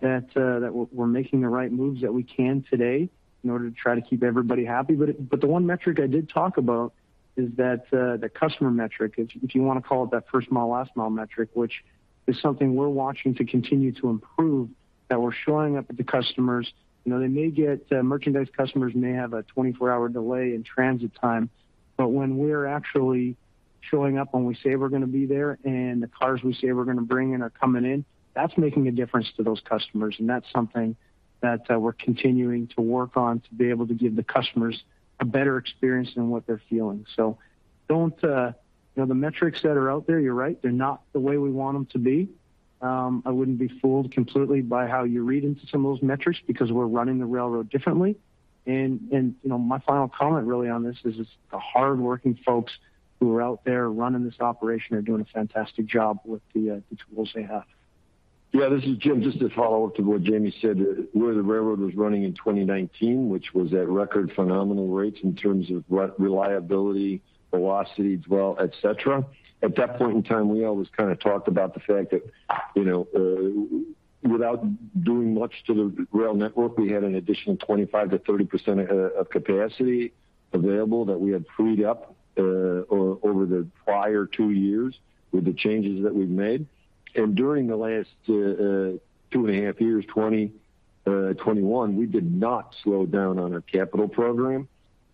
Speaker 5: that we're making the right moves that we can today in order to try to keep everybody happy. The one metric I did talk about is that the customer metric, if you wanna call it that first mile, last mile metric, which is something we're watching to continue to improve, that we're showing up at the customers. You know, merchandise customers may have a 24-hour delay in transit time, but when we're actually showing up when we say we're gonna be there, and the cars we say we're gonna bring in are coming in, that's making a difference to those customers. That's something that we're continuing to work on to be able to give the customers a better experience than what they're feeling. Don't you know, the metrics that are out there, you're right, they're not the way we want them to be. I wouldn't be fooled completely by how you read into some of those metrics because we're running the railroad differently. You know, my final comment really on this is the hardworking folks who are out there running this operation are doing a fantastic job with the tools they have.
Speaker 3: Yeah, this is Jim. Just to follow up to what Jamie said, where the railroad was running in 2019, which was at record phenomenal rates in terms of reliability, velocity, dwell, et cetera. At that point in time, we always kind of talked about the fact that, without doing much to the rail network, we had an additional 25%-30% of capacity available that we had freed up, over the prior two years with the changes that we've made. During the last two point five years, 2021, we did not slow down on our capital program.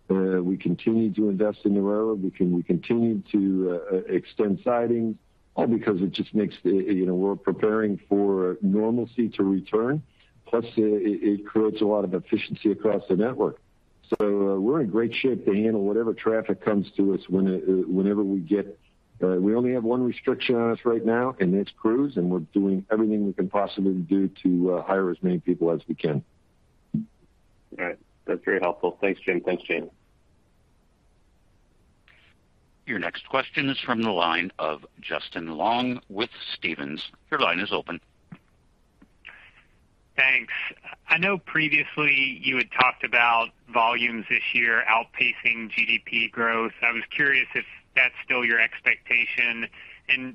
Speaker 3: We continued to invest in the railroad. We continued to extend siding, all because it just makes, we're preparing for normalcy to return. Plus, it creates a lot of efficiency across the network. We're in great shape to handle whatever traffic comes to us whenever we get. We only have one restriction on us right now, and it's crews, and we're doing everything we can possibly do to hire as many people as we can.
Speaker 13: All right. That's very helpful. Thanks, Jim. Thanks, Jamie.
Speaker 1: Your next question is from the line of Justin Long with Stephens. Your line is open.
Speaker 14: Thanks. I know previously you had talked about volumes this year outpacing GDP growth. I was curious if that's still your expectation.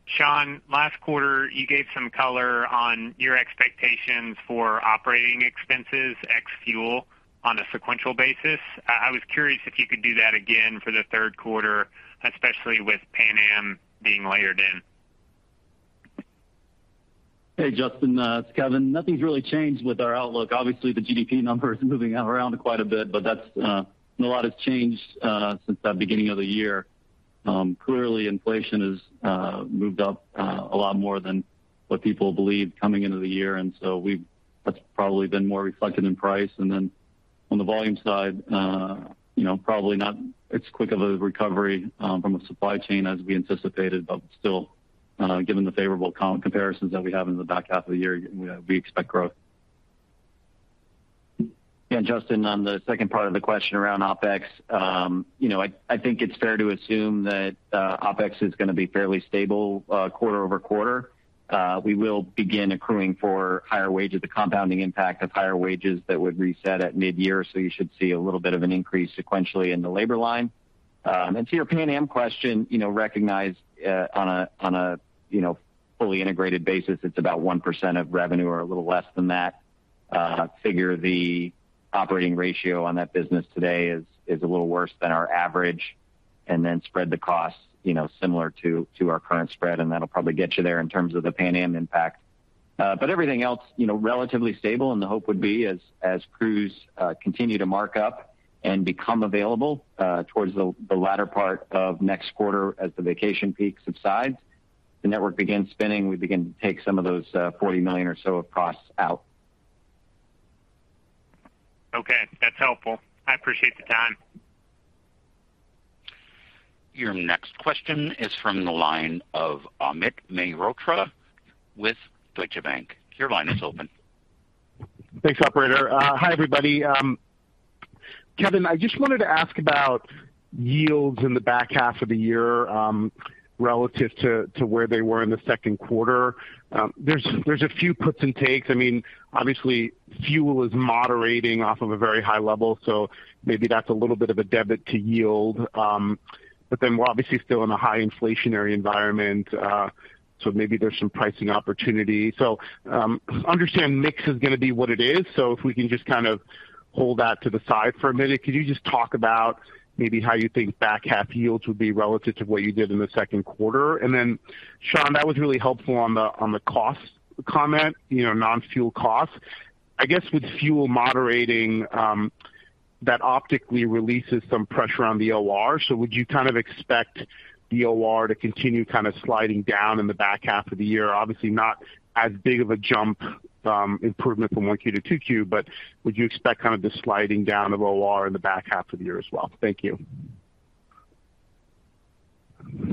Speaker 14: Sean, last quarter, you gave some color on your expectations for operating expenses, ex fuel, on a sequential basis. I was curious if you could do that again for the Q3, especially with Pan Am being layered in.
Speaker 4: Hey, Justin. It's Kevin. Nothing's really changed with our outlook. Obviously, the GDP number is moving around quite a bit, but that's not a lot has changed since the beginning of the year. Clearly, inflation has moved up a lot more than what people believed coming into the year. That's probably been more reflected in price. Then on the volume side, probably not as quick of a recovery from a supply chain as we anticipated. Still, given the favorable comparisons that we have in the back half of the year, we expect growth.
Speaker 6: Yeah, Justin, on the second part of the question around OpEx, I think it's fair to assume that OpEx is gonna be fairly stable quarter-over-quarter. We will begin accruing for higher wages, the compounding impact of higher wages that would reset at mid-year. You should see a little bit of an increase sequentially in the labor line. To your Pan Am question, recognize on a fully integrated basis, it's about 1% of revenue or a little less than that figure. The operating ratio on that business today is a little worse than our average. Then spread the cost, similar to our current spread, and that'll probably get you there in terms of the Pan Am impact.
Speaker 3: Everything else, relatively stable and the hope would be as crews continue to mark up and become available, towards the latter part of next quarter as the vacation peak subsides. The network begins spinning, we begin to take some of those $40 million or so of costs out.
Speaker 14: Helpful. I appreciate the time.
Speaker 1: Your next question is from the line of Amit Mehrotra with Deutsche Bank. Your line is open.
Speaker 15: Thanks, operator. Hi, everybody. Kevin, I just wanted to ask about yields in the back half of the year, relative to where they were in the Q2 There's a few puts and takes. I mean, obviously, fuel is moderating off of a very high level, so maybe that's a little bit of a debit to yield. But then we're obviously still in a high inflationary environment, so maybe there's some pricing opportunity. Understand mix is gonna be what it is. If we can just kind of hold that to the side for a minute, could you just talk about maybe how you think back half yields would be relative to what you did in the Q2? And then, Sean, that was really helpful on the cost comment, non-fuel costs. I guess with fuel moderating, that optically releases some pressure on the OR. Would you kind of expect the OR to continue kind of sliding down in the back half of the year? Obviously not as big of a jump, improvement from 1Q to 2Q, but would you expect kind of the sliding down of OR in the back half of the year as well? Thank you.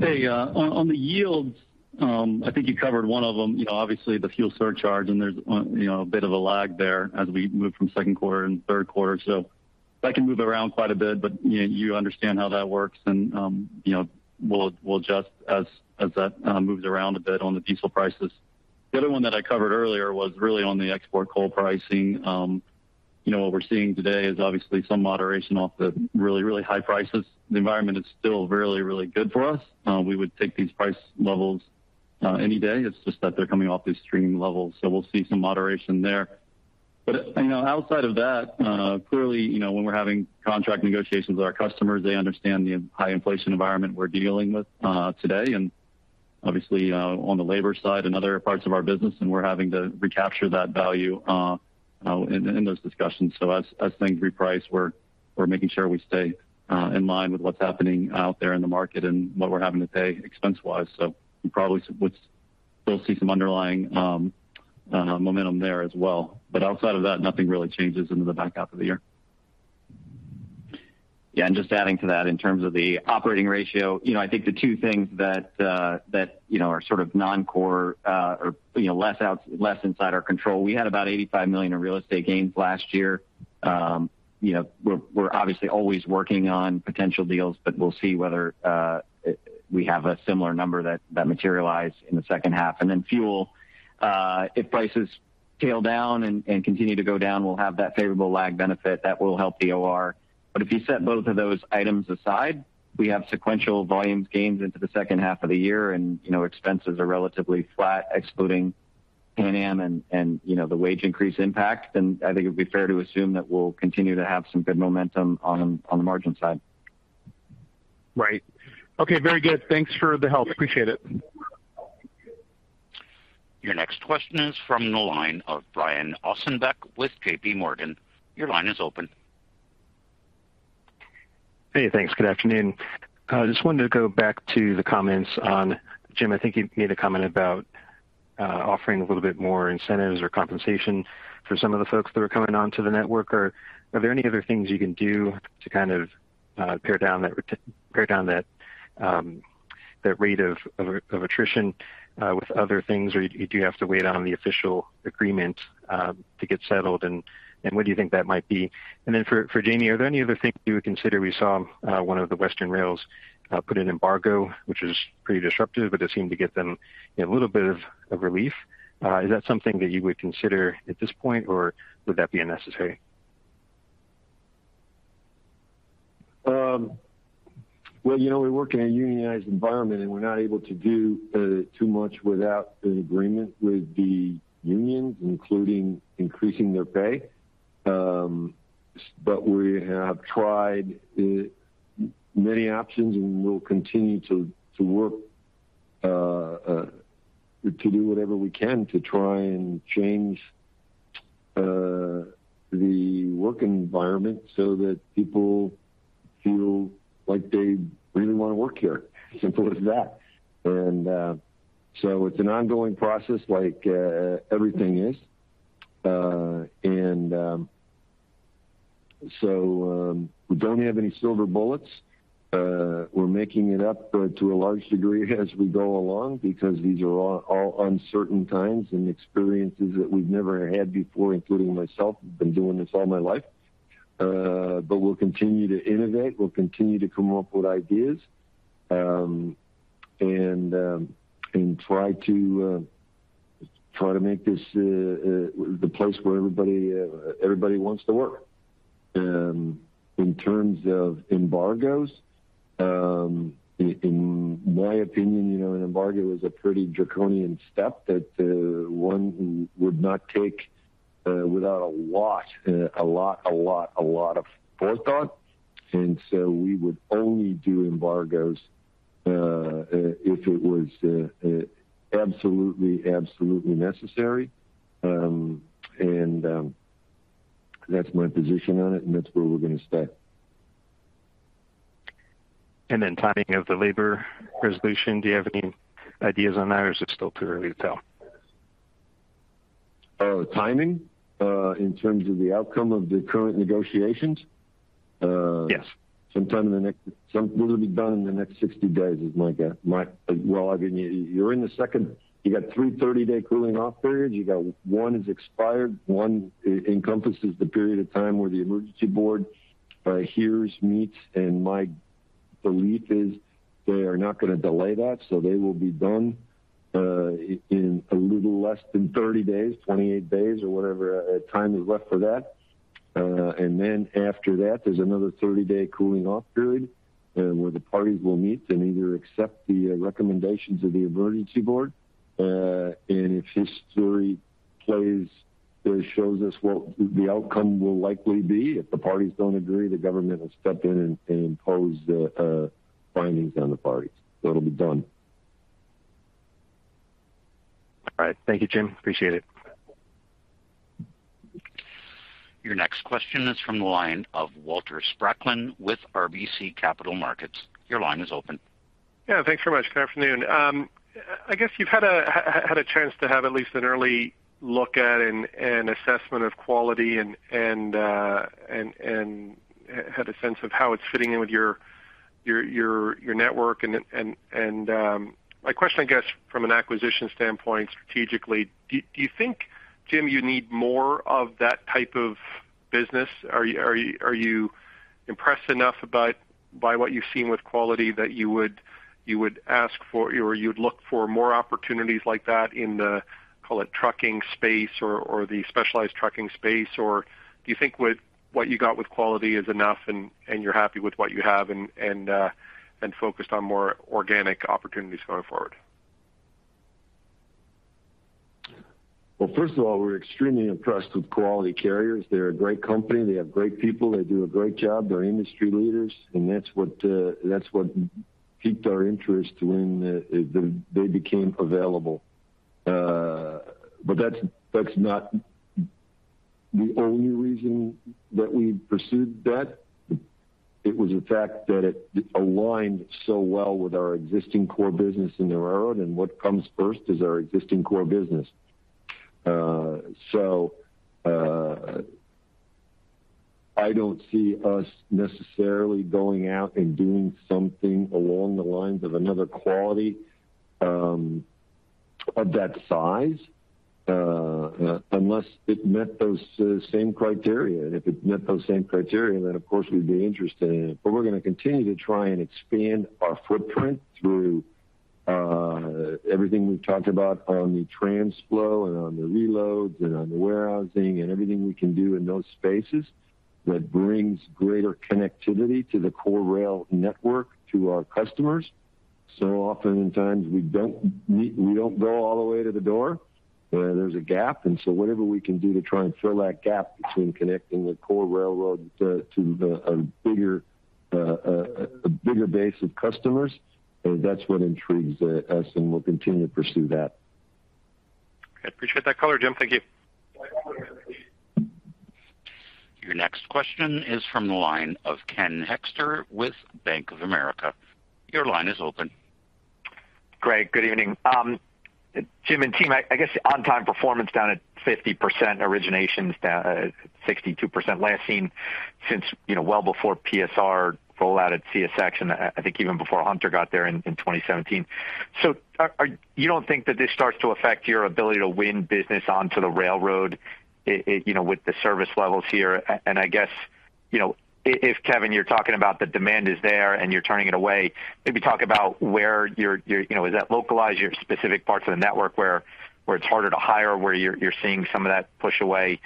Speaker 4: Hey, on the yields, I think you covered one of them, obviously the fuel surcharge, and there's a bit of a lag there as we move from Q2 and Q3. So that can move around quite a bit, but you understand how that works. You know, we'll adjust as that moves around a bit on the diesel prices. The other one that I covered earlier was really on the export coal pricing. You know, what we're seeing today is obviously some moderation off the really, really high prices. The environment is still really, really good for us. We would take these price levels any day. It's just that they're coming off these extreme levels, so we'll see some moderation there. You know, outside of that, clearly, when we're having contract negotiations with our customers, they understand the high inflation environment we're dealing with, today, and obviously, on the labor side and other parts of our business, and we're having to recapture that value, in those discussions. As things reprice, we're making sure we stay, in line with what's happening out there in the market and what we're having to pay expense-wise. You probably would still see some underlying, momentum there as well. Outside of that, nothing really changes into the back half of the year.
Speaker 6: Yeah. Just adding to that in terms of the operating ratio, I think the two things that are sort of non-core or less inside our control. We had about $85 million in real estate gains last year. You know, we're obviously always working on potential deals, but we'll see whether we have a similar number that materialize in the second half. Fuel, if prices tail down and continue to go down, we'll have that favorable lag benefit that will help the OR. If you set both of those items aside, we have sequential volume gains into the second half of the year andknow expenses are relatively flat excluding Pan Am and the wage increase impact. I think it'd be fair to assume that we'll continue to have some good momentum on the margin side.
Speaker 15: Right. Okay. Very good. Thanks for the help. Appreciate it.
Speaker 1: Your next question is from the line of Brian Ossenbeck with JPMorgan. Your line is open.
Speaker 16: Hey, thanks. Good afternoon. Just wanted to go back to the comments on Jim. I think you made a comment about offering a little bit more incentives or compensation for some of the folks that are coming onto the network. Are there any other things you can do to kind of pare down that rate of attrition with other things? Or do you have to wait on the official agreement to get settled? And what do you think that might be? And then for Jamie, are there any other things you would consider? We saw one of the Western rails put an embargo, which was pretty disruptive, but it seemed to get them a little bit of relief. Is that something that you would consider at this point or would that be unnecessary?
Speaker 3: Well, we work in a unionized environment and we're not able to do too much without an agreement with the unions, including increasing their pay. But we have tried many options and we'll continue to work to do whatever we can to try and change the work environment so that people feel like they really wanna work here. Simple as that. It's an ongoing process like everything is. We don't have any silver bullets. We're making it up to a large degree as we go along because these are all uncertain times and experiences that we've never had before, including myself. I've been doing this all my life. We'll continue to innovate. We'll continue to come up with ideas and try to make this the place where everybody wants to work. In terms of embargoes, in my opinion, an embargo is a pretty draconian step that one would not take without a lot of forethought. We would only do embargoes if it was absolutely necessary. That's my position on it, and that's where we're gonna stay.
Speaker 16: Timing of the labor resolution, do you have any ideas on that or is it still too early to tell?
Speaker 3: Oh, timing, in terms of the outcome of the current negotiations?
Speaker 16: Yes.
Speaker 3: This will be done in the next 60 days is my guess. Well, I'll give you. You're in the second. You got three 30-day cooling off periods. You got one is expired, one encompasses the period of time where the emergency board hears, meets, and my belief is they are not gonna delay that. They will be done in a little less than 30 days, 28 days or whatever time is left for that. And then after that, there's another 30-day cooling off period where the parties will meet and either accept the recommendations of the emergency board. If history plays or shows us what the outcome will likely be, if the parties don't agree, the government will step in and impose findings on the parties, so it'll be done.
Speaker 16: All right. Thank you, Jim. Appreciate it.
Speaker 1: Your next question is from the line of Walter Spracklin with RBC Capital Markets. Your line is open.
Speaker 17: Yeah, thanks so much. Good afternoon. I guess you've had a chance to have at least an early look at and had a sense of how it's fitting in with your network. My question, I guess from an acquisition standpoint strategically, do you think, Jim, you need more of that type of business? Are you impressed enough by what you've seen with Quality that you would ask for or you'd look for more opportunities like that in the, call it, trucking space or the specialized trucking space? Or do you think what you got with Quality is enough and you're happy with what you have and focused on more organic opportunities going forward?
Speaker 3: Well, first of all, we're extremely impressed with Quality Carriers. They're a great company. They have great people. They do a great job. They're industry leaders. That's what piqued our interest when they became available. That's not the only reason that we pursued that. It was the fact that it aligned so well with our existing core business in the railroad. What comes first is our existing core business. I don't see us necessarily going out and doing something along the lines of another Quality Carriers of that size unless it met those same criteria. If it met those same criteria, then of course we'd be interested in it. We're gonna continue to try and expand our footprint through everything we've talked about on the TRANSFLO and on the reloads and on the warehousing and everything we can do in those spaces that brings greater connectivity to the core rail network to our customers. Oftentimes we don't go all the way to the door. There's a gap, and whatever we can do to try and fill that gap between connecting the core railroad to a bigger base of customers, that's what intrigues us, and we'll continue to pursue that.
Speaker 17: Okay. Appreciate that color, Jim. Thank you.
Speaker 1: Your next question is from the line of Ken Hoexter with Bank of America. Your line is open.
Speaker 18: Great. Good evening. Jim and team, I guess on-time performance down at 50%, origination's down at 62%, last seen since before PSR rollout at CSX and I think even before Hunter got there in 2017. So you don't think that this starts to affect your ability to win business onto the railroad with the service levels here? I guess, if, Kevin, you're talking about the demand is there and you're turning it away, maybe talk about where you're is that localized, your specific parts of the network where it's harder to hire, where you're seeing some of that push away?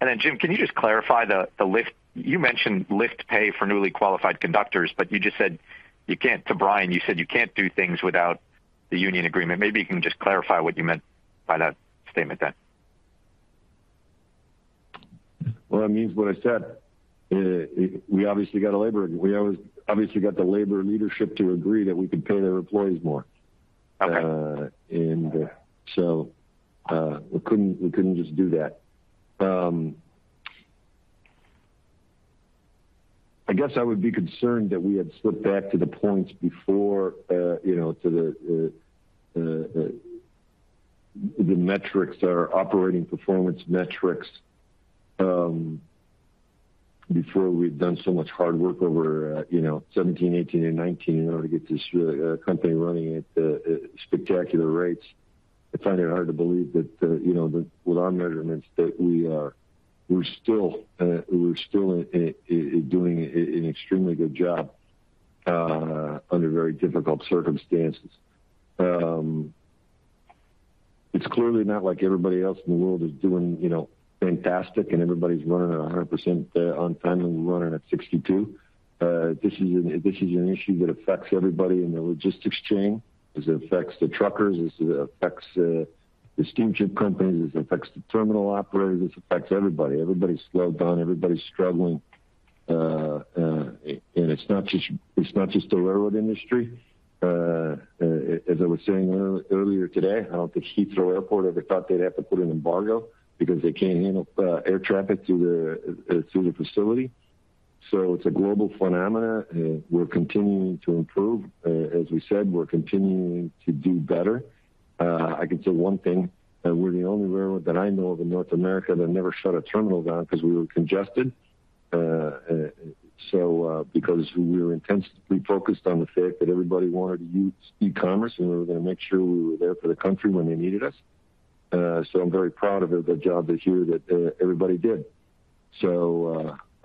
Speaker 18: Then, Jim, can you just clarify the lift? You mentioned lift pay for newly qualified conductors, but you just said you can't, to Brian, you said you can't do things without the union agreement. Maybe you can just clarify what you meant by that statement then?
Speaker 3: Well, it means what I said. We obviously got the labor leadership to agree that we could pay their employees more.
Speaker 18: Okay.
Speaker 3: We couldn't just do that. I guess I would be concerned that we had slipped back to the points before to the metrics, our operating performance metrics, before we've done so much hard work over 2017, 2018, and 2019 in order to get this company running at spectacular rates. I find it hard to believe that with our measurements that we're still doing an extremely good job under very difficult circumstances. It's clearly not like everybody else in the world is doing fantastic and everybody's running at 100% on time and we're running at 62%. This is an issue that affects everybody in the logistics chain. This affects the truckers, this affects the steamship companies, this affects the terminal operators, this affects everybody. Everybody's slowed down, everybody's struggling. It's not just, it's not just the railroad industry. As I was saying earlier today, I don't think Heathrow Airport ever thought they'd have to put an embargo because they can't handle air traffic through the facility. It's a global phenomenon. We're continuing to improve. As we said, we're continuing to do better. I can tell one thing, that we're the only railroad that I know of in North America that never shut a terminal down because we were congested because we were intensely focused on the fact that everybody wanted to use e-commerce, and we were gonna make sure we were there for the country when they needed us. I'm very proud of the job this year that everybody did.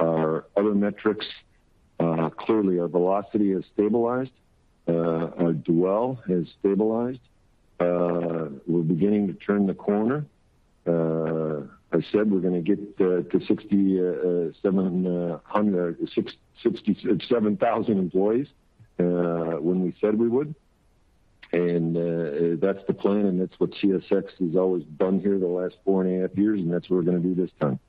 Speaker 3: Our other metrics clearly our velocity has stabilized. Our dwell has stabilized. We're beginning to turn the corner. I said we're gonna get to 7,000 employees when we said we would. That's the plan, and that's what CSX has always done here the last four and a half years, and that's what we're gonna do this time.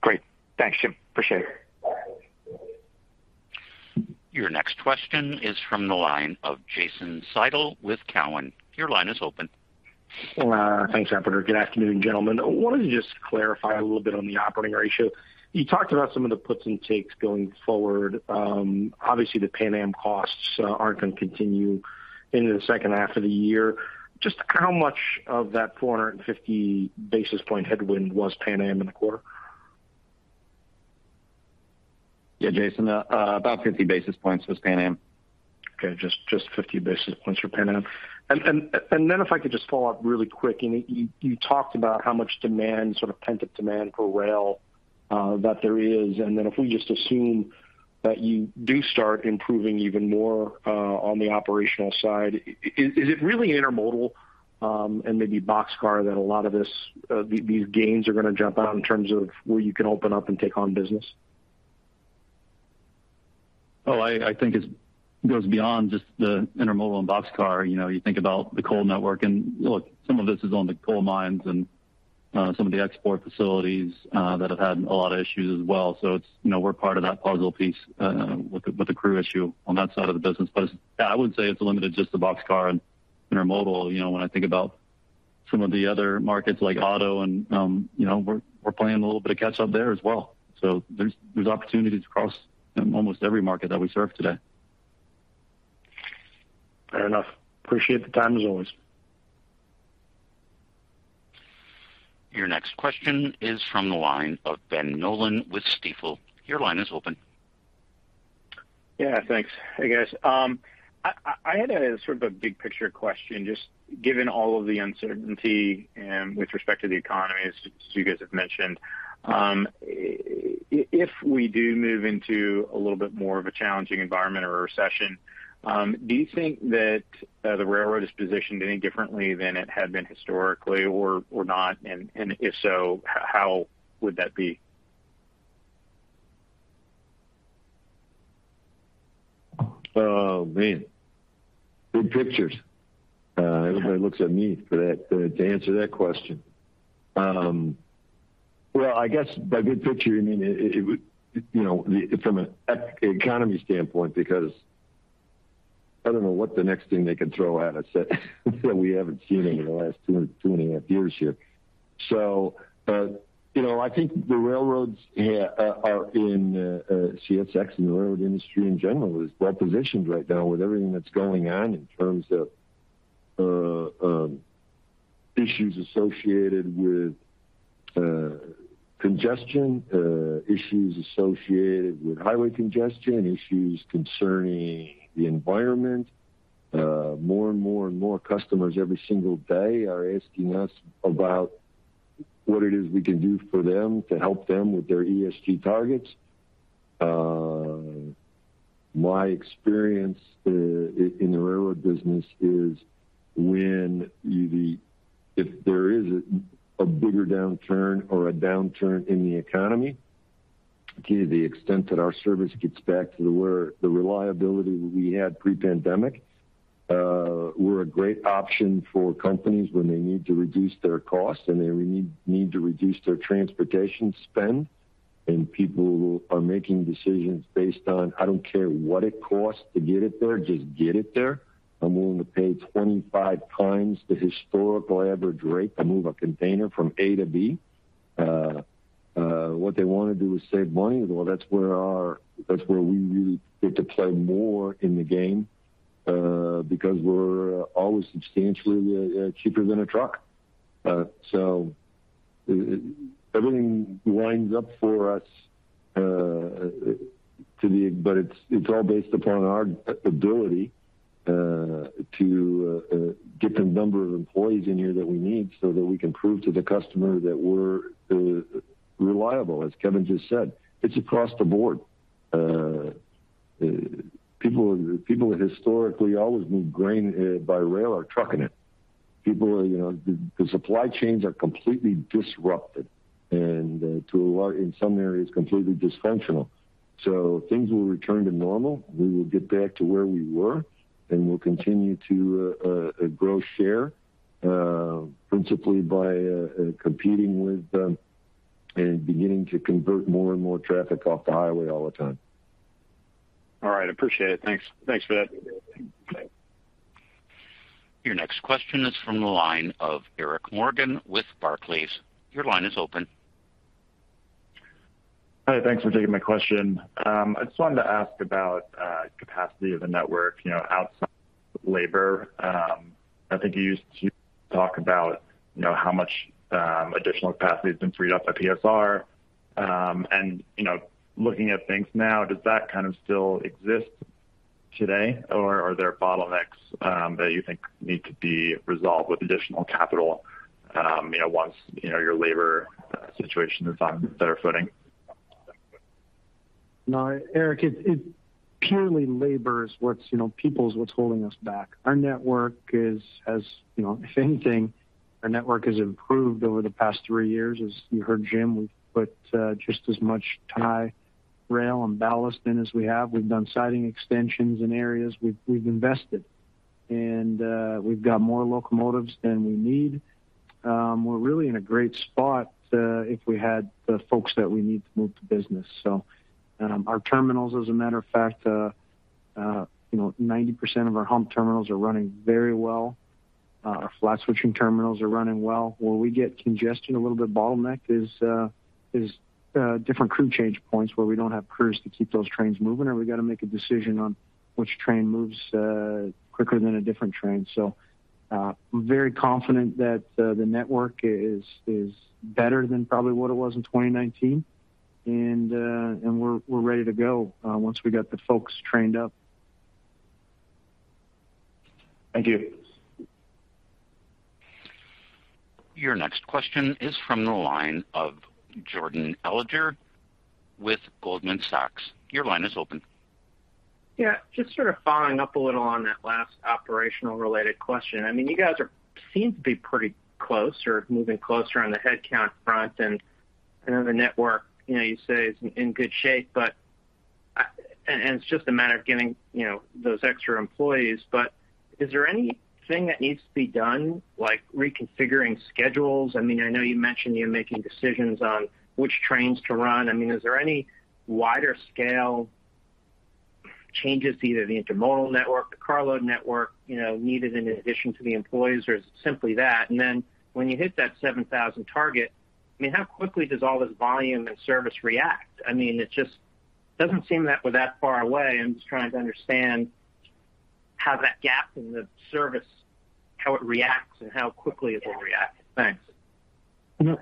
Speaker 18: Great. Thanks, Jim. Appreciate it.
Speaker 1: Your next question is from the line of Jason Seidl with Cowen. Your line is open.
Speaker 19: Thanks, operator. Good afternoon, gentlemen. I wanted to just clarify a little bit on the operating ratio. You talked about some of the puts and takes going forward. Obviously, the Pan Am costs aren't going to continue into the second half of the year. Just how much of that 450 basis point headwind was Pan Am in the quarter?
Speaker 3: Yeah, Jason. About 50 basis points was Pan Am.
Speaker 19: Okay, just 50 basis points for Pan Am. If I could just follow up really quick. You talked about how much demand, sort of pent-up demand for rail that there is, and then if we just assume that you do start improving even more on the operational side, is it really intermodal and maybe boxcar that a lot of these gains are gonna jump out in terms of where you can open up and take on business?
Speaker 3: I think it goes beyond just the intermodal and boxcar. You know, you think about the coal network and, look, some of this is on the coal mines and some of the export facilities that have had a lot of issues as well. It's we're part of that puzzle piece with the crew issue on that side of the business. Yeah, I wouldn't say it's limited just to boxcar and intermodal. You know, when I think about some of the other markets like auto and we're playing a little bit of catch up there as well. There's opportunities across, almost every market that we serve today.
Speaker 19: Fair enough. Appreciate the time as always.
Speaker 1: Your next question is from the line of Ben Nolan with Stifel. Your line is open.
Speaker 20: Yeah, thanks. Hey, guys. I had a sort of a big picture question, just given all of the uncertainty and with respect to the economy, as you guys have mentioned. If we do move into a little bit more of a challenging environment or a recession, do you think that the railroad is positioned any differently than it had been historically or not? If so, how would that be?
Speaker 3: Oh, man. Big picture. Everybody looks at me for that to answer that question. Well, I guess by big picture, you mean it, from an economy standpoint, because I don't know what the next thing they can throw at us that we haven't seen in the last two and a half years here. You know, I think the railroads here are in CSX and the railroad industry in general is well-positioned right now with everything that's going on in terms of issues associated with congestion, issues associated with highway congestion, issues concerning the environment. More and more customers every single day are asking us about what it is we can do for them to help them with their ESG targets. My experience in the railroad business is, if there is a bigger downturn or a downturn in the economy, to the extent that our service gets back to where the reliability we had pre-pandemic, we're a great option for companies when they need to reduce their costs and they need to reduce their transportation spend. People are making decisions based on, I don't care what it costs to get it there, just get it there. I'm willing to pay 25 times the historical average rate to move a container from A to B. What they wanna do is save money. Well, that's where we really get to play more in the game, because we're always substantially cheaper than a truck. Everything winds up for us, but it's all based upon our ability to get the number of employees in here that we need so that we can prove to the customer that we're reliable, as Kevin just said. It's across the board. People who historically always moved grain by rail are trucking it. People, the supply chains are completely disrupted and in some areas, completely dysfunctional. Things will return to normal. We will get back to where we were, and we'll continue to grow share principally by competing with and beginning to convert more and more traffic off the highway all the time. All right, appreciate it. Thanks. Thanks for that.
Speaker 1: Your next question is from the line of Brandon Oglenski with Barclays. Your line is open.
Speaker 21: Hi. Thanks for taking my question. I just wanted to ask about capacity of the network, outside labor. I think you used to talk about, how much additional capacity has been freed up by PSR. You know, looking at things now, does that kind of still exist today or are there bottlenecks that you think need to be resolved with additional capital, once, your labor situation is on better footing?
Speaker 5: No, Brandon Oglenski, it's purely labor that's, what's holding us back. Our network has, if anything, our network has improved over the past three years. As you heard Jim Foote, we've put just as much tie rail and ballast in as we have. We've done siding extensions in areas. We've invested and we've got more locomotives than we need. We're really in a great spot if we had the folks that we need to move the business. Our terminals, as a matter of fact, 90% of our hump terminals are running very well. Our flat switching terminals are running well. Where we get congestion, a little bit bottlenecked is different crew change points where we don't have crews to keep those trains moving or we got to make a decision on which train moves quicker than a different train. Very confident that the network is better than probably what it was in 2019. We're ready to go once we got the folks trained up.
Speaker 21: Thank you.
Speaker 1: Your next question is from the line of Jordan Alliger with Goldman Sachs. Your line is open.
Speaker 22: Yeah, just sort of following up a little on that last operational related question. I mean, you guys seem to be pretty close or moving closer on the headcount front, and I know the network, you say is in good shape, but, and it's just a matter of getting, those extra employees. But is there anything that needs to be done like reconfiguring schedules? I mean, I know you mentioned you're making decisions on which trains to run. I mean, is there any wider scale changes to either the intermodal network, the carload network, needed in addition to the employees or is it simply that? And then when you hit that 7,000 target, I mean, how quickly does all this volume and service react? I mean, it just doesn't seem that we're that far away. I'm just trying to understand how that gap in the service, how it reacts and how quickly it will react. Thanks.
Speaker 5: You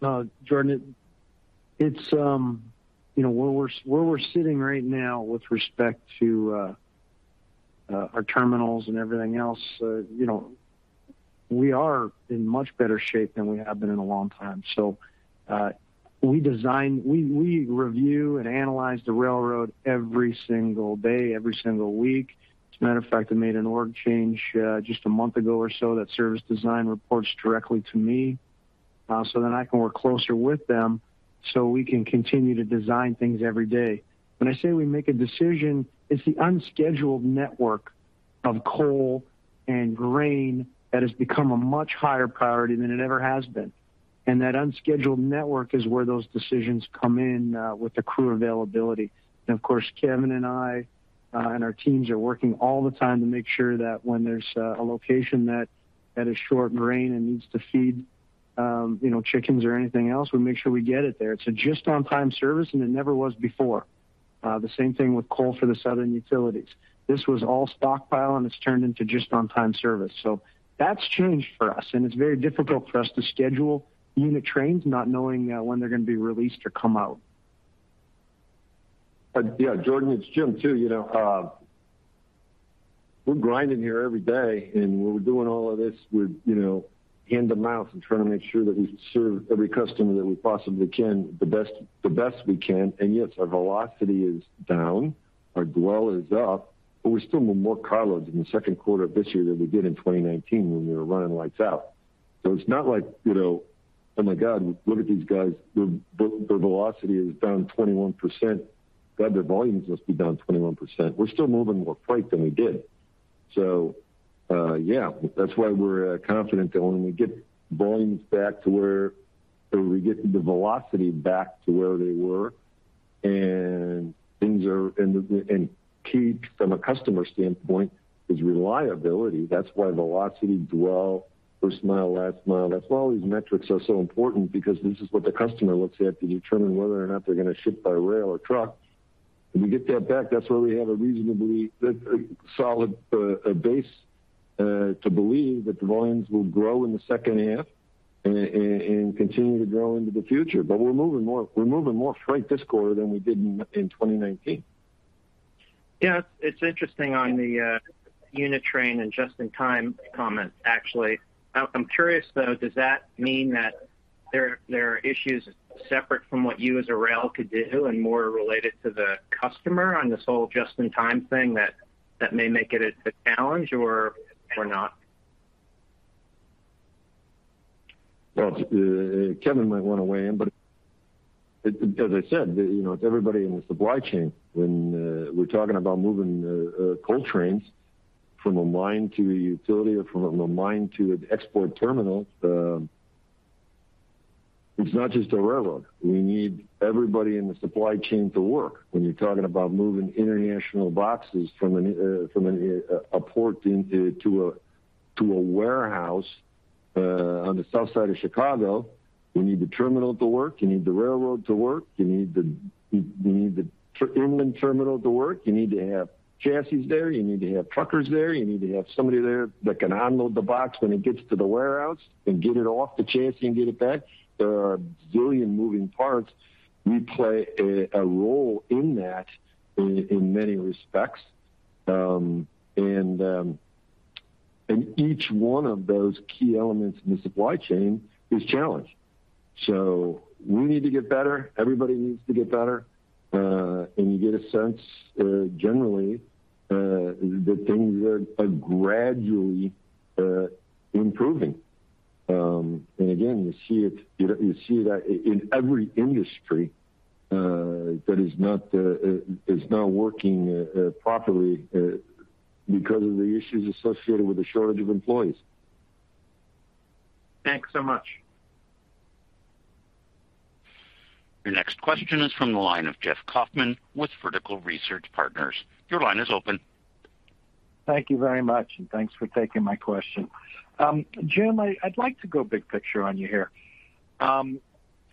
Speaker 5: know, Jordan, it's where we're sitting right now with respect to our terminals and everything else, we are in much better shape than we have been in a long time. We review and analyze the railroad every single day, every single week. As a matter of fact, I made an org change just a month ago or so that service design reports directly to me, so I can work closer with them so we can continue to design things every day. When I say we make a decision, it's the unscheduled network of coal and grain that has become a much higher priority than it ever has been. That unscheduled network is where those decisions come in with the crew availability. Of course, Kevin and I and our teams are working all the time to make sure that when there's a location that is short grain and needs to feed chickens or anything else, we make sure we get it there. It's a just on time service, and it never was before. The same thing with coal for the southern utilities. This was all stockpile, and it's turned into just on time service. That's changed for us. It's very difficult for us to schedule unit trains not knowing when they're going to be released or come out.
Speaker 3: Yeah, Jordan, it's Jim too. You know, we're grinding here every day, and we're doing all of this with, hand to mouth and trying to make sure that we serve every customer that we possibly can the best we can. Yes, our velocity is down, our dwell is up, but we're still more carloads in the Q2 of this year than we did in 2019 when we were running lights out. It's not like, oh my God, look at these guys. Their velocity is down 21%. God, their volumes must be down 21%. We're still moving more freight than we did. That's why we're confident that when we get the velocity back to where they were and things are key from a customer standpoint is reliability. That's why velocity, dwell, first mile, last mile, that's why all these metrics are so important because this is what the customer looks at to determine whether or not they're going to ship by rail or truck. When we get that back, that's where we have a reasonably solid base to believe that the volumes will grow in the second half and continue to grow into the future. We're moving more freight this quarter than we did in 2019. Yeah. It's interesting on the unit train and just in time comment, actually. I'm curious, though, does that mean that there are issues separate from what you as a rail could do and more related to the customer on this whole just in time thing that may make it a challenge or not? Well, Kevin might want to weigh in, but, as I said, it's everybody in the supply chain. When we're talking about moving coal trains from a mine to a utility or from a mine to an export terminal, it's not just a railroad. We need everybody in the supply chain to work. When you're talking about moving international boxes from a port to a warehouse on the south side of Chicago, you need the terminal to work, you need the railroad to work, you need the inland terminal to work. You need to have chassis there; you need to have truckers there. You need to have somebody there that can unload the box when it gets to the warehouse and get it off the chassis and get it back. There are a zillion moving parts. We play a role in that in many respects. Each one of those key elements in the supply chain is challenged. We need to get better. Everybody needs to get better. You get a sense generally that things are gradually improving. You see that in every industry that is not working properly because of the issues associated with the shortage of employees.
Speaker 22: Thanks so much.
Speaker 1: Your next question is from the line of Jeff Kauffman with Vertical Research Partners. Your line is open.
Speaker 23: Thank you very much, and thanks for taking my question. Jim, I'd like to go big picture on you here.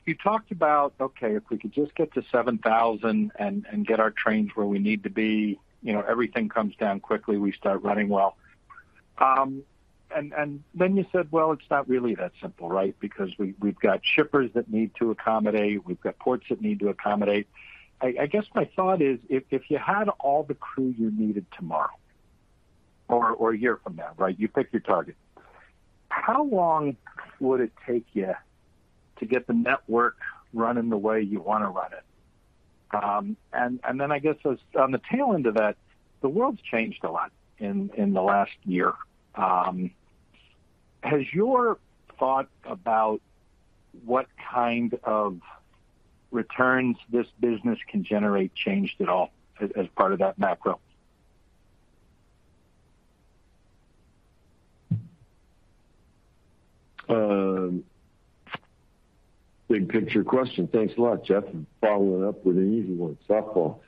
Speaker 23: You talked about, okay, if we could just get to 7,000 and get our trains where we need to be, everything comes down quickly, we start running well. Then you said, well, it's not really that simple, right? Because we've got shippers that need to accommodate. We've got ports that need to accommodate. I guess my thought is if you had all the crew you needed tomorrow or a year from now, right? You pick your target. How long would it take you to get the network running the way you want to run it? I guess as on the tail end of that, the world's changed a lot in the last year. Has your thought about what kind of returns this business can generate changed at all as part of that macro?
Speaker 3: Big picture question. Thanks a lot, Jeff. Following up with an easy one. Softball.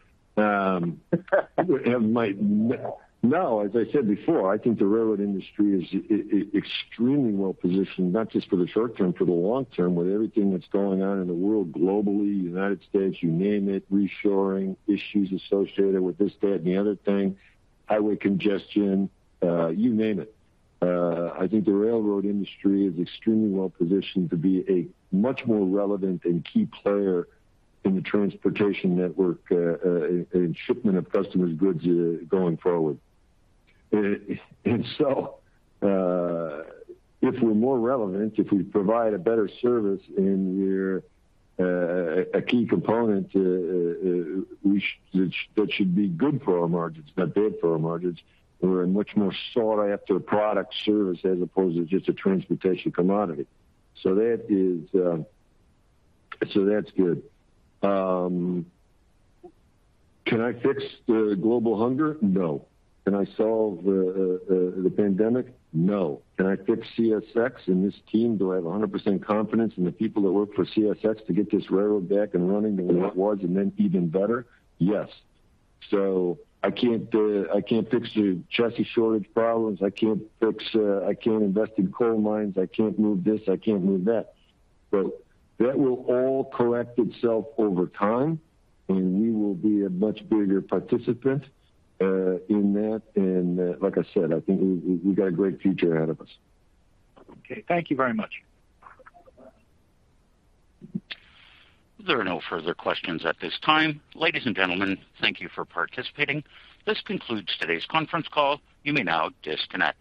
Speaker 3: As I said before, I think the railroad industry is extremely well-positioned, not just for the short term, for the long term, with everything that's going on in the world globally, United States, you name it, reshoring, issues associated with this, that, and the other thing, highway congestion, you name it. I think the railroad industry is extremely well-positioned to be a much more relevant and key player in the transportation network, in shipment of customers' goods, going forward. If we're more relevant, if we provide a better service and we're a key component, that should be good for our margins, not bad for our margins. We're a much more sought-after product service as opposed to just a transportation commodity. That's good. Can I fix the global hunger? No. Can I solve the pandemic? No. Can I fix CSX and this team? Do I have 100% confidence in the people that work for CSX to get this railroad back and running the way it was and then even better? Yes. I can't fix the chassis shortage problems. I can't invest in coal mines. I can't move this, I can't move that. That will all correct itself over time, and we will be a much bigger participant in that. Like I said, I think we got a great future ahead of us.
Speaker 23: Okay. Thank you very much.
Speaker 1: There are no further questions at this time. Ladies and gentlemen, thank you for participating. This concludes today's conference call. You may now disconnect.